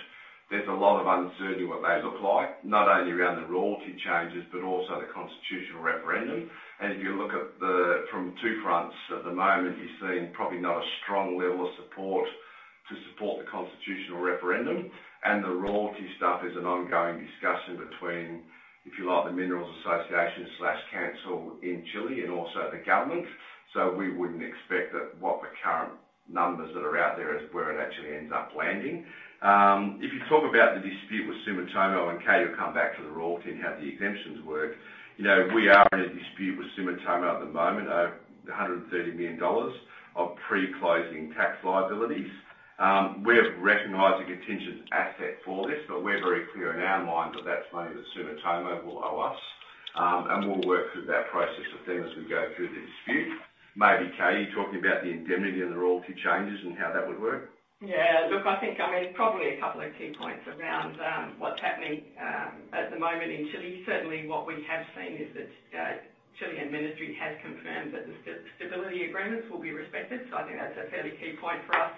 there's a lot of uncertainty what they look like, not only around the royalty changes, but also the constitutional referendum. If you look at it from two fronts at the moment, you're seeing probably not a strong level of support to support the constitutional referendum. The royalty stuff is an ongoing discussion between, if you like, the minerals association and council in Chile and also the government. We wouldn't expect that what the current numbers that are out there is where it actually ends up landing. If you talk about the dispute with Sumitomo, and Katie will come back to the royalty and how the exemptions work. You know, we are in a dispute with Sumitomo at the moment over $130 million of pre-closing tax liabilities. We have recognized a contingent asset for this, but we're very clear in our mind that that's money that Sumitomo will owe us. We'll work through that process with them as we go through the dispute. Maybe Katie, talking about the indemnity and the royalty changes and how that would work. Yeah. Look, I think, I mean, probably a couple of key points around what's happening at the moment in Chile. Certainly what we have seen is that the Chilean Ministry has confirmed that the stability agreements will be respected. I think that's a fairly key point for us,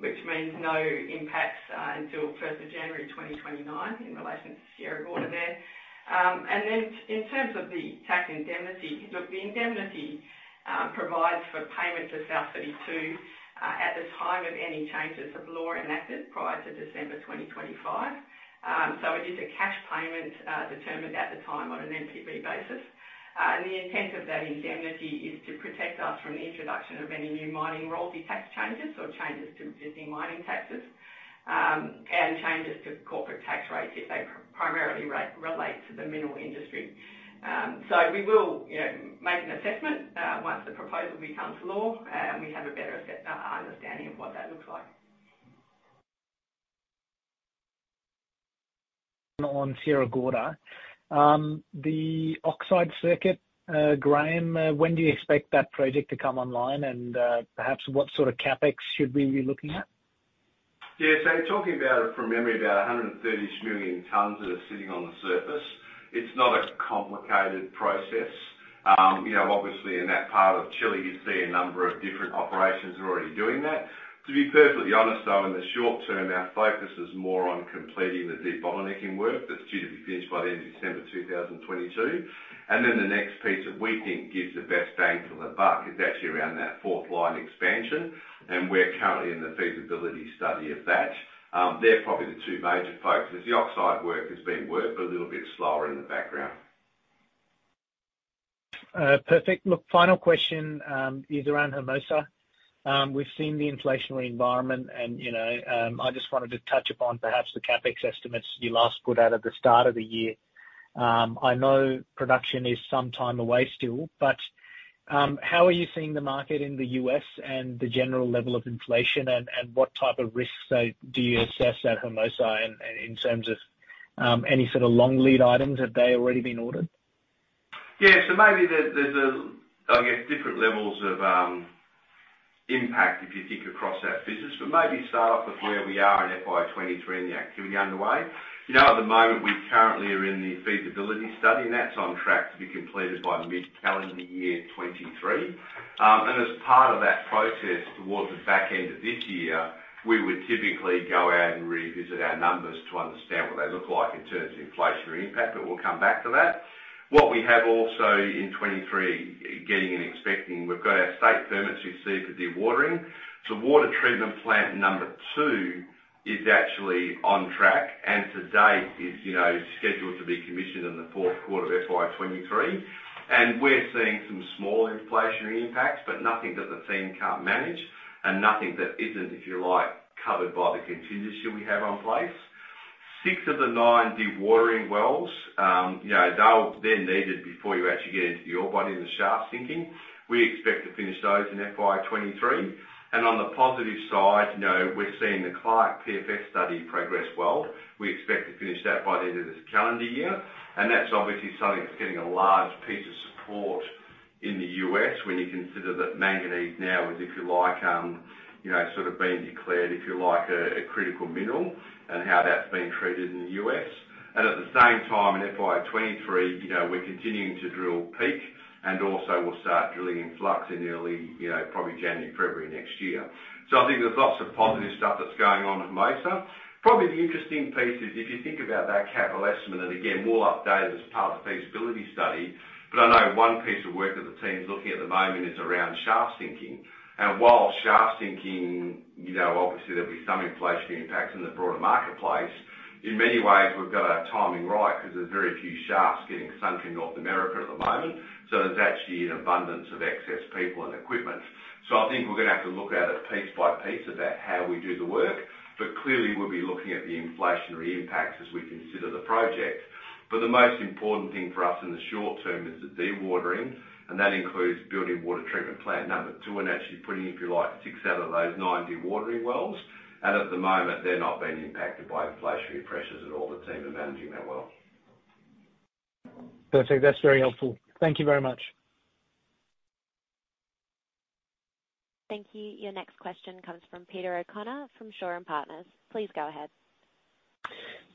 which means no impacts until January 1, 2029 in relation to Sierra Gorda there. In terms of the tax indemnity, look, the indemnity provides for payment to South32 at the time of any changes of law enacted prior to December 2025. It is a cash payment determined at the time on an NPV basis. The intent of that indemnity is to protect us from the introduction of any new mining royalty tax changes or changes to existing mining taxes, and changes to corporate tax rates if they primarily relate to the mineral industry. We will, you know, make an assessment once the proposal becomes law and we have a better understanding of what that looks like. On Sierra Gorda. The oxide circuit, Graham, when do you expect that project to come online and perhaps what sort of CapEx should we be looking at? Yeah. You're talking about, from memory, about 130 million tons that are sitting on the surface. It's not a complicated process. You know, obviously in that part of Chile, you see a number of different operations are already doing that. To be perfectly honest, though, in the short term, our focus is more on completing the de-bottlenecking work that's due to be finished by the end of December 2022. Then the next piece that we think gives the best bang for the buck is actually around that fourth line expansion, and we're currently in the feasibility study of that. They're probably the two major focuses. The oxide work is being worked but a little bit slower in the background. Perfect. Look, final question is around Hermosa. We've seen the inflationary environment and, you know, I just wanted to touch upon perhaps the CapEx estimates you last put out at the start of the year. I know production is some time away still, but how are you seeing the market in the U.S. and the general level of inflation and what type of risks, say, do you assess at Hermosa in terms of any sort of long lead items? Have they already been ordered? Maybe there are different levels of impact if you think across our business. Maybe start off with where we are in FY 2023 and the activity underway. At the moment, we are currently in the feasibility study, and that's on track to be completed by mid-calendar year 2023. As part of that process towards the back end of this year, we would typically go out and revisit our numbers to understand what they look like in terms of inflationary impact. We'll come back to that. What we have also in 2023, and expecting, we've got our state permits received for dewatering. Water treatment plant number 2 is actually on track and to date is scheduled to be commissioned in the fourth quarter of FY 2023. We're seeing some small inflationary impacts, but nothing that the team can't manage and nothing that isn't covered by the contingency we have in place. Six of the nine dewatering wells, they'll be needed before you actually get into the ore body and the shaft sinking. We expect to finish those in FY 2023. We're seeing the Clark PFS study progress well. We expect to finish that by the end of this calendar year. That's obviously something that's getting a large piece of support in the U.S. when you consider that manganese now is being declared a critical mineral and how that's being treated in the U.S. At the same time, in FY 2023, you know, we're continuing to drill Peak, and also we'll start drilling in Flux in early, you know, probably January, February next year. I think there's lots of positive stuff that's going on at Hermosa. Probably the interesting piece is if you think about that capital estimate, and again, we'll update as part of the feasibility study, but I know one piece of work that the team's looking at the moment is around shaft sinking. While shaft sinking, you know, obviously there'll be some inflationary impacts in the broader marketplace, in many ways, we've got our timing right because there's very few shafts getting sunk in North America at the moment. There's actually an abundance of excess people and equipment. I think we're gonna have to look at it piece by piece about how we do the work. Clearly, we'll be looking at the inflationary impacts as we consider the project. The most important thing for us in the short term is the dewatering, and that includes building water treatment plant number 2 and actually putting in, if you like, 6 out of those 9 dewatering wells. At the moment, they're not being impacted by inflationary pressures at all. The team are managing that well. Perfect. That's very helpful. Thank you very much. Thank you. Your next question comes from Peter O'Connor from Shaw and Partners. Please go ahead.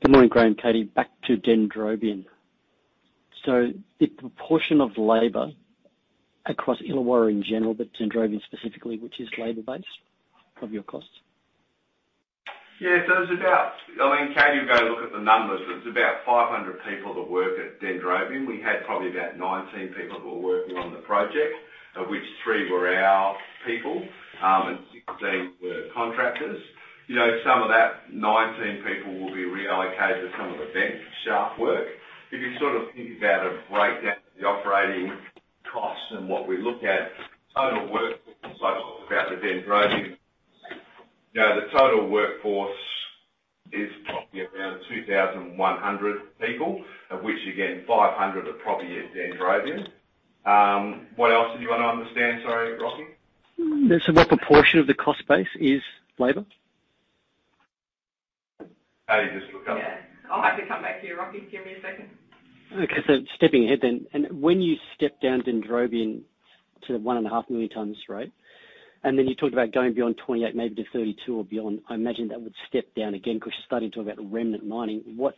Good morning, Graham, Katie Tovich. Back to Dendrobium. The proportion of labor across Illawarra in general, but Dendrobium specifically, which is labor-based of your costs. It's about... I mean, Katie will go look at the numbers, but it's about 500 people that work at Dendrobium. We had probably about 19 people who were working on the project, of which three were our people, and 16 were contractors. You know, some of that 19 people will be relocated to some of the vent shaft work. If you sort of think about a breakdown of the operating costs and what we look at, total workforce, like about the Dendrobium. Now, the total workforce is probably around 2,100 people, of which, again, 500 are probably at Dendrobium. What else did you want to understand, sorry, Rocky? What proportion of the cost base is labor? Katie, just look up. Yeah. I'll have to come back to you, Rocky. Give me a second. Okay. Stepping ahead then. When you step down Dendrobium to the 1.5 million tons, right? You talked about going beyond 28, maybe to 32 or beyond. I imagine that would step down again, because you're starting to talk about remnant mining. What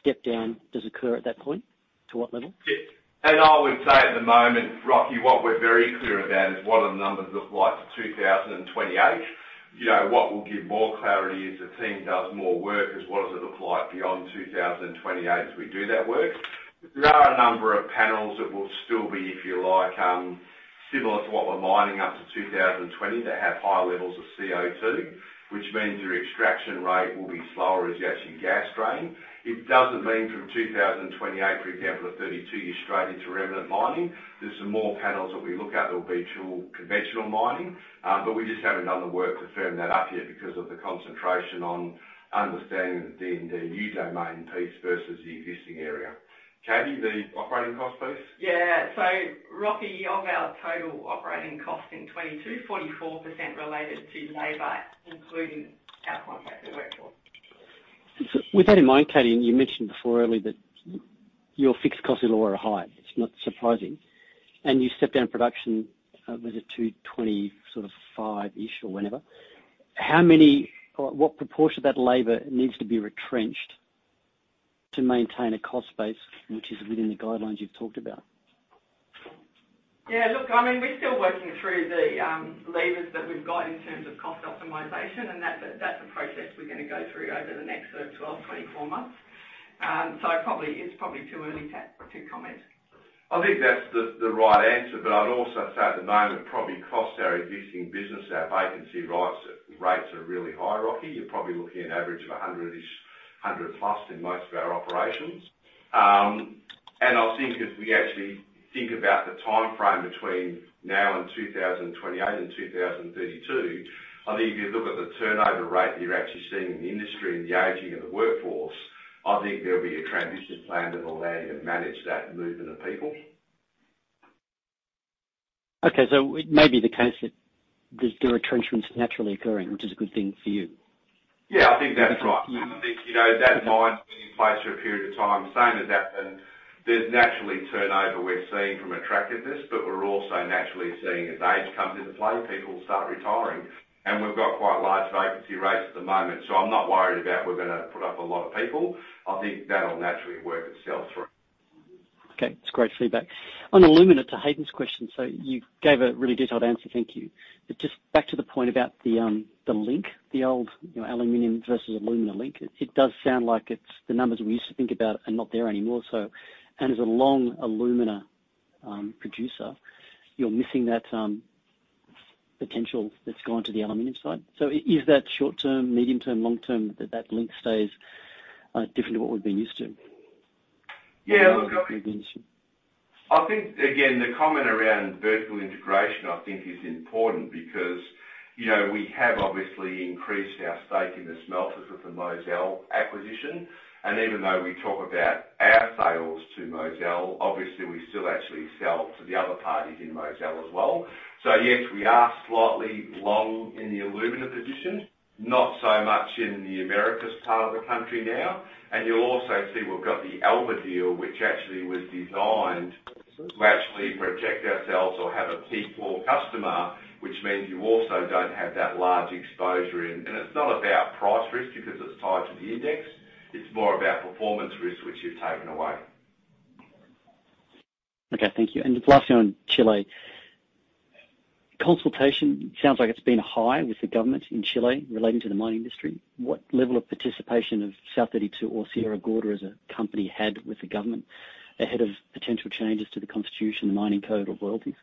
step down does occur at that point? To what level? Yeah. I would say at the moment, Rocky, what we're very clear about is what do the numbers look like for 2028. You know, what will give more clarity as the team does more work is what does it look like beyond 2028 as we do that work. There are a number of panels that will still be, if you like, similar to what we're mining up to 2020. They have higher levels of CO2, which means your extraction rate will be slower as you actually gas drain. It doesn't mean from 2028, for example, or 2032, you're straight into remnant mining. There's some more panels that we look at that will be too conventional mining, but we just haven't done the work to firm that up yet because of the concentration on understanding the Dendrobium zone mine piece versus the existing area. Katie, the operating cost, please. Yeah. Rocky, of our total operating cost in 2022, 44% related to labor, including our contractor workforce. With that in mind, Katie, and you mentioned before earlier that your fixed costs are lower or high, it's not surprising. You step down production, was it to 25-ish or whenever. How many or what proportion of that labor needs to be retrenched to maintain a cost base which is within the guidelines you've talked about? Yeah. Look, I mean, we're still working through the levers that we've got in terms of cost optimization, and that's a process we're gonna go through over the next sort of 12-24 months. It's probably too early to comment. I think that's the right answer. I'd also say at the moment, probably cost our existing business. Our vacancy rates are really high, Rocky. You're probably looking at average of 100-ish, 100 plus in most of our operations. I think as we actually think about the timeframe between now and 2028 and 2032, I think if you look at the turnover rate that you're actually seeing in the industry and the aging of the workforce, I think there'll be a transition plan that will allow you to manage that movement of people. Okay. It may be the case that there are retrenchments naturally occurring, which is a good thing for you. Yeah, I think that's right. You know, that mine being in place for a period of time, same has happened. There's naturally turnover we're seeing from attrition, but we're also naturally seeing as age comes into play, people start retiring. We've got quite large vacancy rates at the moment, so I'm not worried about we're gonna put on a lot of people. I think that'll naturally work itself through. Okay. That's great feedback. On alumina to Hayden's question. You gave a really detailed answer, thank you. Just back to the point about the link, the old, you know, aluminum versus alumina link. It does sound like it's the numbers we used to think about are not there anymore. As a large alumina producer, you're missing that potential that's gone to the aluminum side. Is that short-term, medium-term, long-term that link stays different to what we've been used to? Yeah. Look, I think, again, the comment around vertical integration, I think is important because, you know, we have obviously increased our stake in the smelters with the Mozal acquisition. Even though we talk about our sales to Mozal, obviously we still actually sell to the other parties in Mozal as well. Yes, we are slightly long in the alumina position, not so much in the Americas part of the country now. You'll also see we've got the Alba deal, which actually was designed to actually protect ourselves or have a take or pay customer, which means you also don't have that large exposure in. It's not about price risk because it's tied to the index. It's more about performance risk, which you've taken away. Okay. Thank you. Just lastly on Chile. Consultation sounds like it's been high with the government in Chile relating to the mining industry. What level of participation of South32 or Sierra Gorda as a company had with the government ahead of potential changes to the constitution, the mining code or royalties?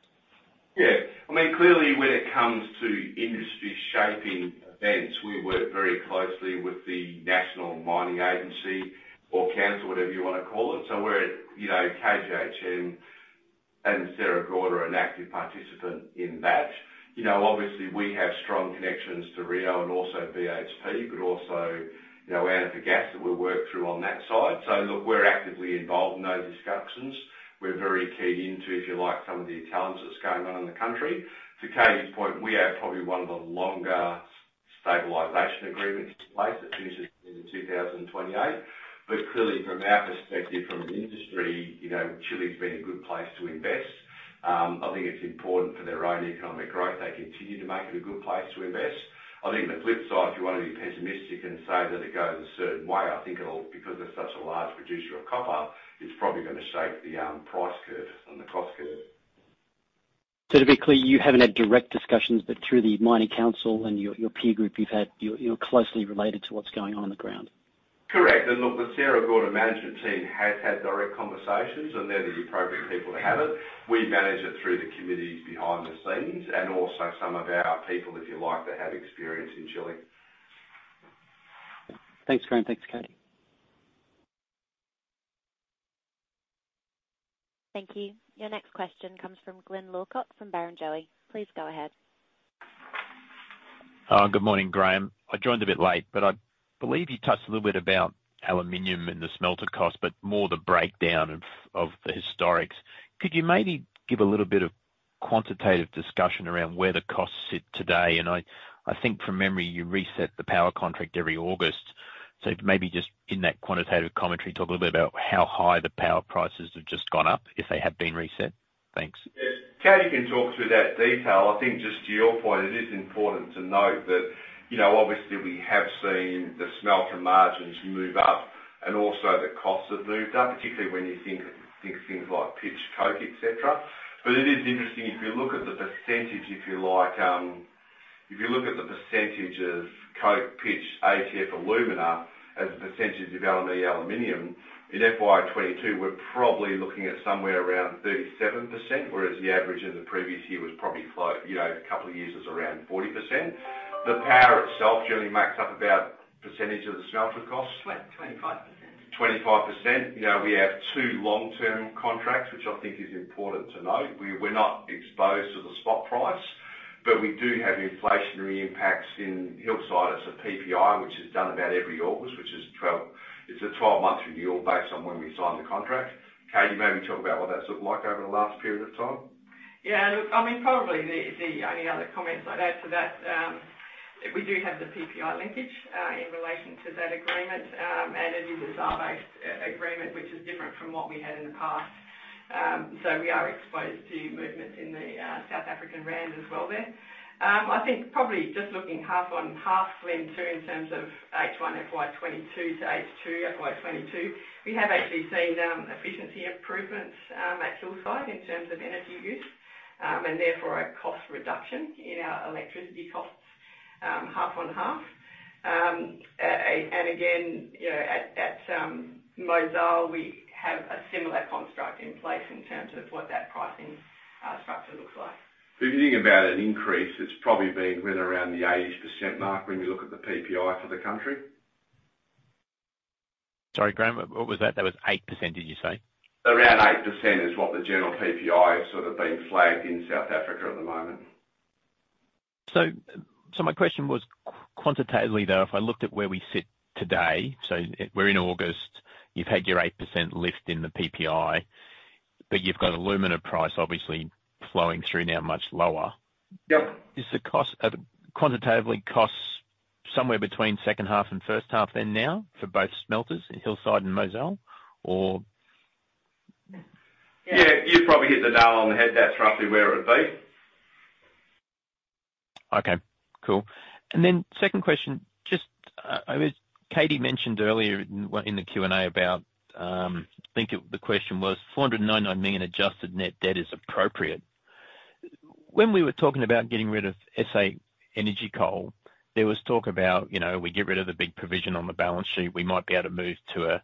Yeah. I mean, clearly when it comes to industry shaping events, we work very closely with the National Mining Agency or Council, whatever you wanna call it. We're, you know, KGHM and Sierra Gorda are an active participant in that. You know, obviously we have strong connections to Rio and also BHP, but also, you know, Antofagasta that we work through on that side. Look, we're actively involved in those discussions. We're very keyed into, if you like, some of the challenges going on in the country. To Katie's point, we have probably one of the longer stabilization agreements in place that finishes in 2028. Clearly from our perspective from an industry, you know, Chile's been a good place to invest. I think it's important for their own economic growth. They continue to make it a good place to invest. I think the flip side, if you wanna be pessimistic and say that it goes a certain way, I think it'll because they're such a large producer of copper, it'll probably gonna shape the price curve and the cost curve. To be clear, you haven't had direct discussions, but through the mining council and your peer group, you're closely related to what's going on on the ground. Correct. Look, the Sierra Gorda management team has had direct conversations, and they're the appropriate people to have it. We manage it through the committees behind the scenes and also some of our people, if you like, that have experience in Chile. Thanks, Graham. Thanks, Katie. Thank you. Your next question comes from Glyn Lawcock from Barrenjoey. Please go ahead. Good morning, Graham. I joined a bit late, but I believe you touched a little bit about aluminum and the smelter cost, but more the breakdown of the historics. Could you maybe give a little bit of quantitative discussion around where the costs sit today? I think from memory, you reset the power contract every August. Maybe just in that quantitative commentary, talk a little bit about how high the power prices have just gone up if they have been reset. Thanks. Yes. Katie can talk through that detail. I think just to your point, it is important to note that, you know, obviously we have seen the smelter margins move up and also the costs have moved up, particularly when you think of things like pitch, coke, et cetera. It is interesting, if you look at the percentage, if you like, if you look at the percentage of coke, pitch, AlF3, alumina as a percentage of LME aluminum, in FY 2022, we're probably looking at somewhere around 37%, whereas the average in the previous year was probably, you know, a couple of years was around 40%. The power itself generally makes up about percentage of the smelter cost. 25%. 25%. You know, we have two long-term contracts, which I think is important to note. We're not exposed to the spot price, but we do have inflationary impacts in Hillside as a PPI, which is done about every August, which is a 12-month renewal based on when we signed the contract. Katie, maybe talk about what that's looked like over the last period of time. Yeah, look, I mean, probably the only other comment I'd add to that, we do have the PPI linkage in relation to that agreement, and it is a ZAR-based agreement, which is different from what we had in the past. We are exposed to movements in the South African rand as well there. I think probably just looking half on half, Glyn, too, in terms of H1 FY22 to H2 FY22, we have actually seen efficiency improvements at Hillside in terms of energy use, and therefore a cost reduction in our electricity costs, half on half. Again, you know, at Mozal, we have a similar construct in place in terms of what that pricing structure looks like. If you think about an increase, it's probably been around the 8% mark when you look at the PPI for the country. Sorry, Graham, what was that? That was 8%, did you say? Around 8% is what the general PPI has sort of been flagged in South Africa at the moment. My question was, quantitatively, though, if I looked at where we sit today, we're in August, you've had your 8% lift in the PPI, but you've got alumina price obviously flowing through now much lower. Yep. Are the quantitative costs somewhere between second half and first half than now for both smelters in Hillside and Mozal? Yeah. Yeah. You probably hit the nail on the head. That's roughly where it would be. Okay, cool. Then second question, just, I believe Katie mentioned earlier in the Q&A about, I think the question was $499 million adjusted net debt is appropriate. When we were talking about getting rid of SA Energy Coal, there was talk about, you know, we get rid of the big provision on the balance sheet, we might be able to move to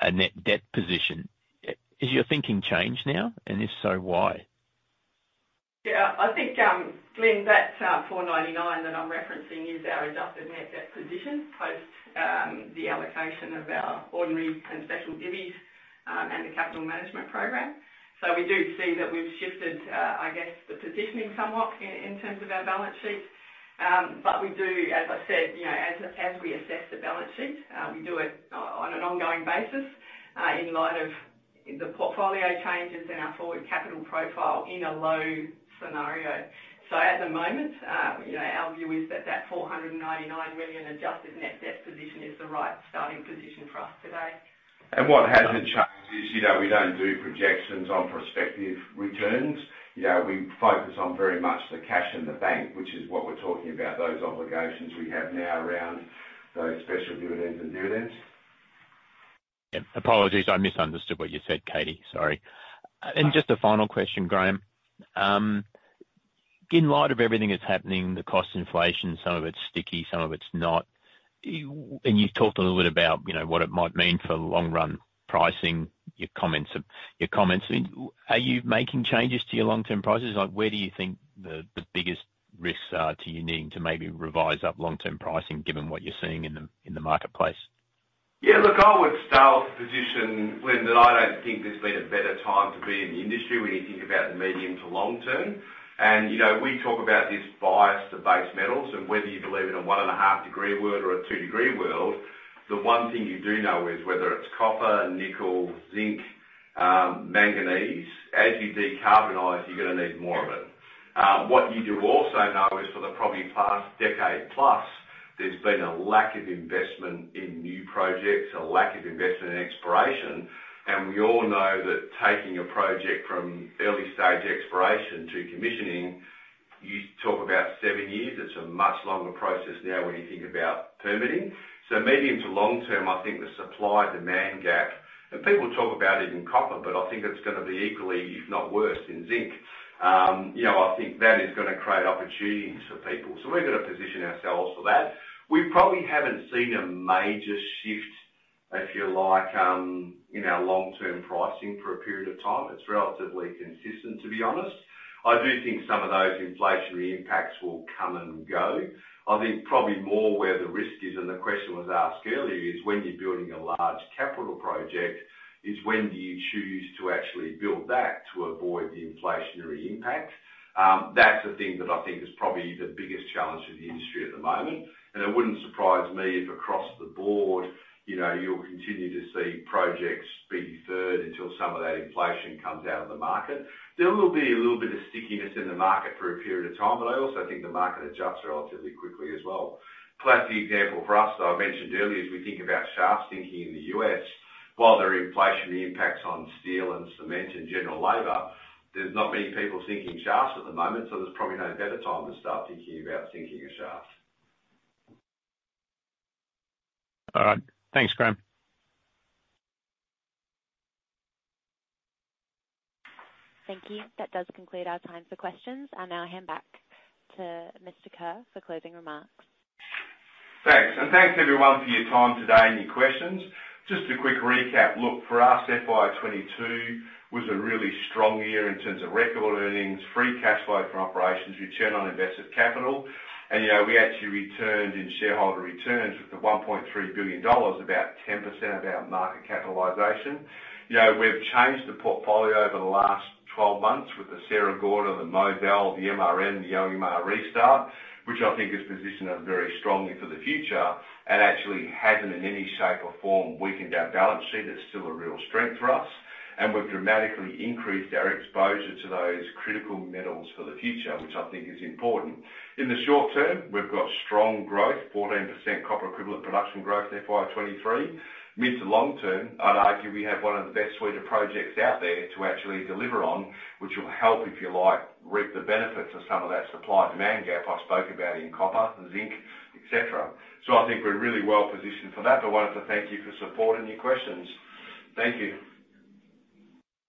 a net debt position. Has your thinking changed now? If so, why? Yeah. I think, Glyn, that 499 that I'm referencing is our adjusted net debt position post the allocation of our ordinary and special divvies, and the capital management program. We do see that we've shifted, I guess, the positioning somewhat in terms of our balance sheet. We do, as I said, you know, as we assess the balance sheet, we do it on an ongoing basis, in light of the portfolio changes in our forward capital profile in a low scenario. At the moment, you know, our view is that that $499 million adjusted net debt position is the right starting position for us today. What hasn't changed is, you know, we don't do projections on prospective returns. You know, we focus on very much the cash in the bank, which is what we're talking about, those obligations we have now around those special dividends and dividends. Yeah. Apologies, I misunderstood what you said, Katie. Sorry. Just a final question, Graham. In light of everything that's happening, the cost inflation, some of it's sticky, some of it's not. You've talked a little bit about, you know, what it might mean for long run pricing, your comments. I mean, are you making changes to your long-term prices? Like, where do you think the biggest risks are to you needing to maybe revise up long-term pricing given what you're seeing in the marketplace? Yeah. Look, I would start with the position, Glyn, that I don't think there's been a better time to be in the industry when you think about the medium to long term. You know, we talk about this bias to base metals, and whether you believe in a 1.5-degree world or a two-degree world, the one thing you do know is whether it's copper, nickel, zinc, manganese, as you decarbonize, you're gonna need more of it. What you do also know is for the probably past decade plus, there's been a lack of investment in new projects, a lack of investment in exploration, and we all know that taking a project from early stage exploration to commissioning. You talk about seven years, it's a much longer process now when you think about permitting. Medium to long term, I think the supply-demand gap, and people talk about it in copper, but I think it's gonna be equally, if not worse, in zinc. You know, I think that is gonna create opportunities for people. We're gonna position ourselves for that. We probably haven't seen a major shift, if you like, in our long-term pricing for a period of time. It's relatively consistent, to be honest. I do think some of those inflationary impacts will come and go. I think probably more where the risk is, and the question was asked earlier, is when you're building a large capital project, is when do you choose to actually build that to avoid the inflationary impact? That's the thing that I think is probably the biggest challenge for the industry at the moment. It wouldn't surprise me if across the board, you know, you'll continue to see projects be deferred until some of that inflation comes out of the market. There will be a little bit of stickiness in the market for a period of time, but I also think the market adjusts relatively quickly as well. Classic example for us, I mentioned earlier, is we think about shaft sinking in the US. While there are inflationary impacts on steel and cement and general labor, there's not many people sinking shafts at the moment, so there's probably no better time to start thinking about sinking a shaft. All right. Thanks, Graham. Thank you. That does conclude our time for questions. I now hand back to Mr. Kerr for closing remarks. Thanks. Thanks everyone for your time today and your questions. Just a quick recap. Look, for us, FY22 was a really strong year in terms of record earnings, free cash flow from operations, return on invested capital. You know, we actually returned $1.3 billion in shareholder returns, about 10% of our market capitalization. You know, we've changed the portfolio over the last 12 months with the Sierra Gorda, the Mozal, the MRN, the Alumar restart, which I think has positioned us very strongly for the future and actually hasn't in any shape or form weakened our balance sheet. It's still a real strength for us. We've dramatically increased our exposure to those critical metals for the future, which I think is important. In the short term, we've got strong growth, 14% copper equivalent production growth in FY23. Mid to long term, I'd argue we have one of the best suite of projects out there to actually deliver on, which will help, if you like, reap the benefits of some of that supply and demand gap I spoke about in copper and zinc, et cetera. I think we're really well-positioned for that. Wanted to thank you for supporting your questions. Thank you.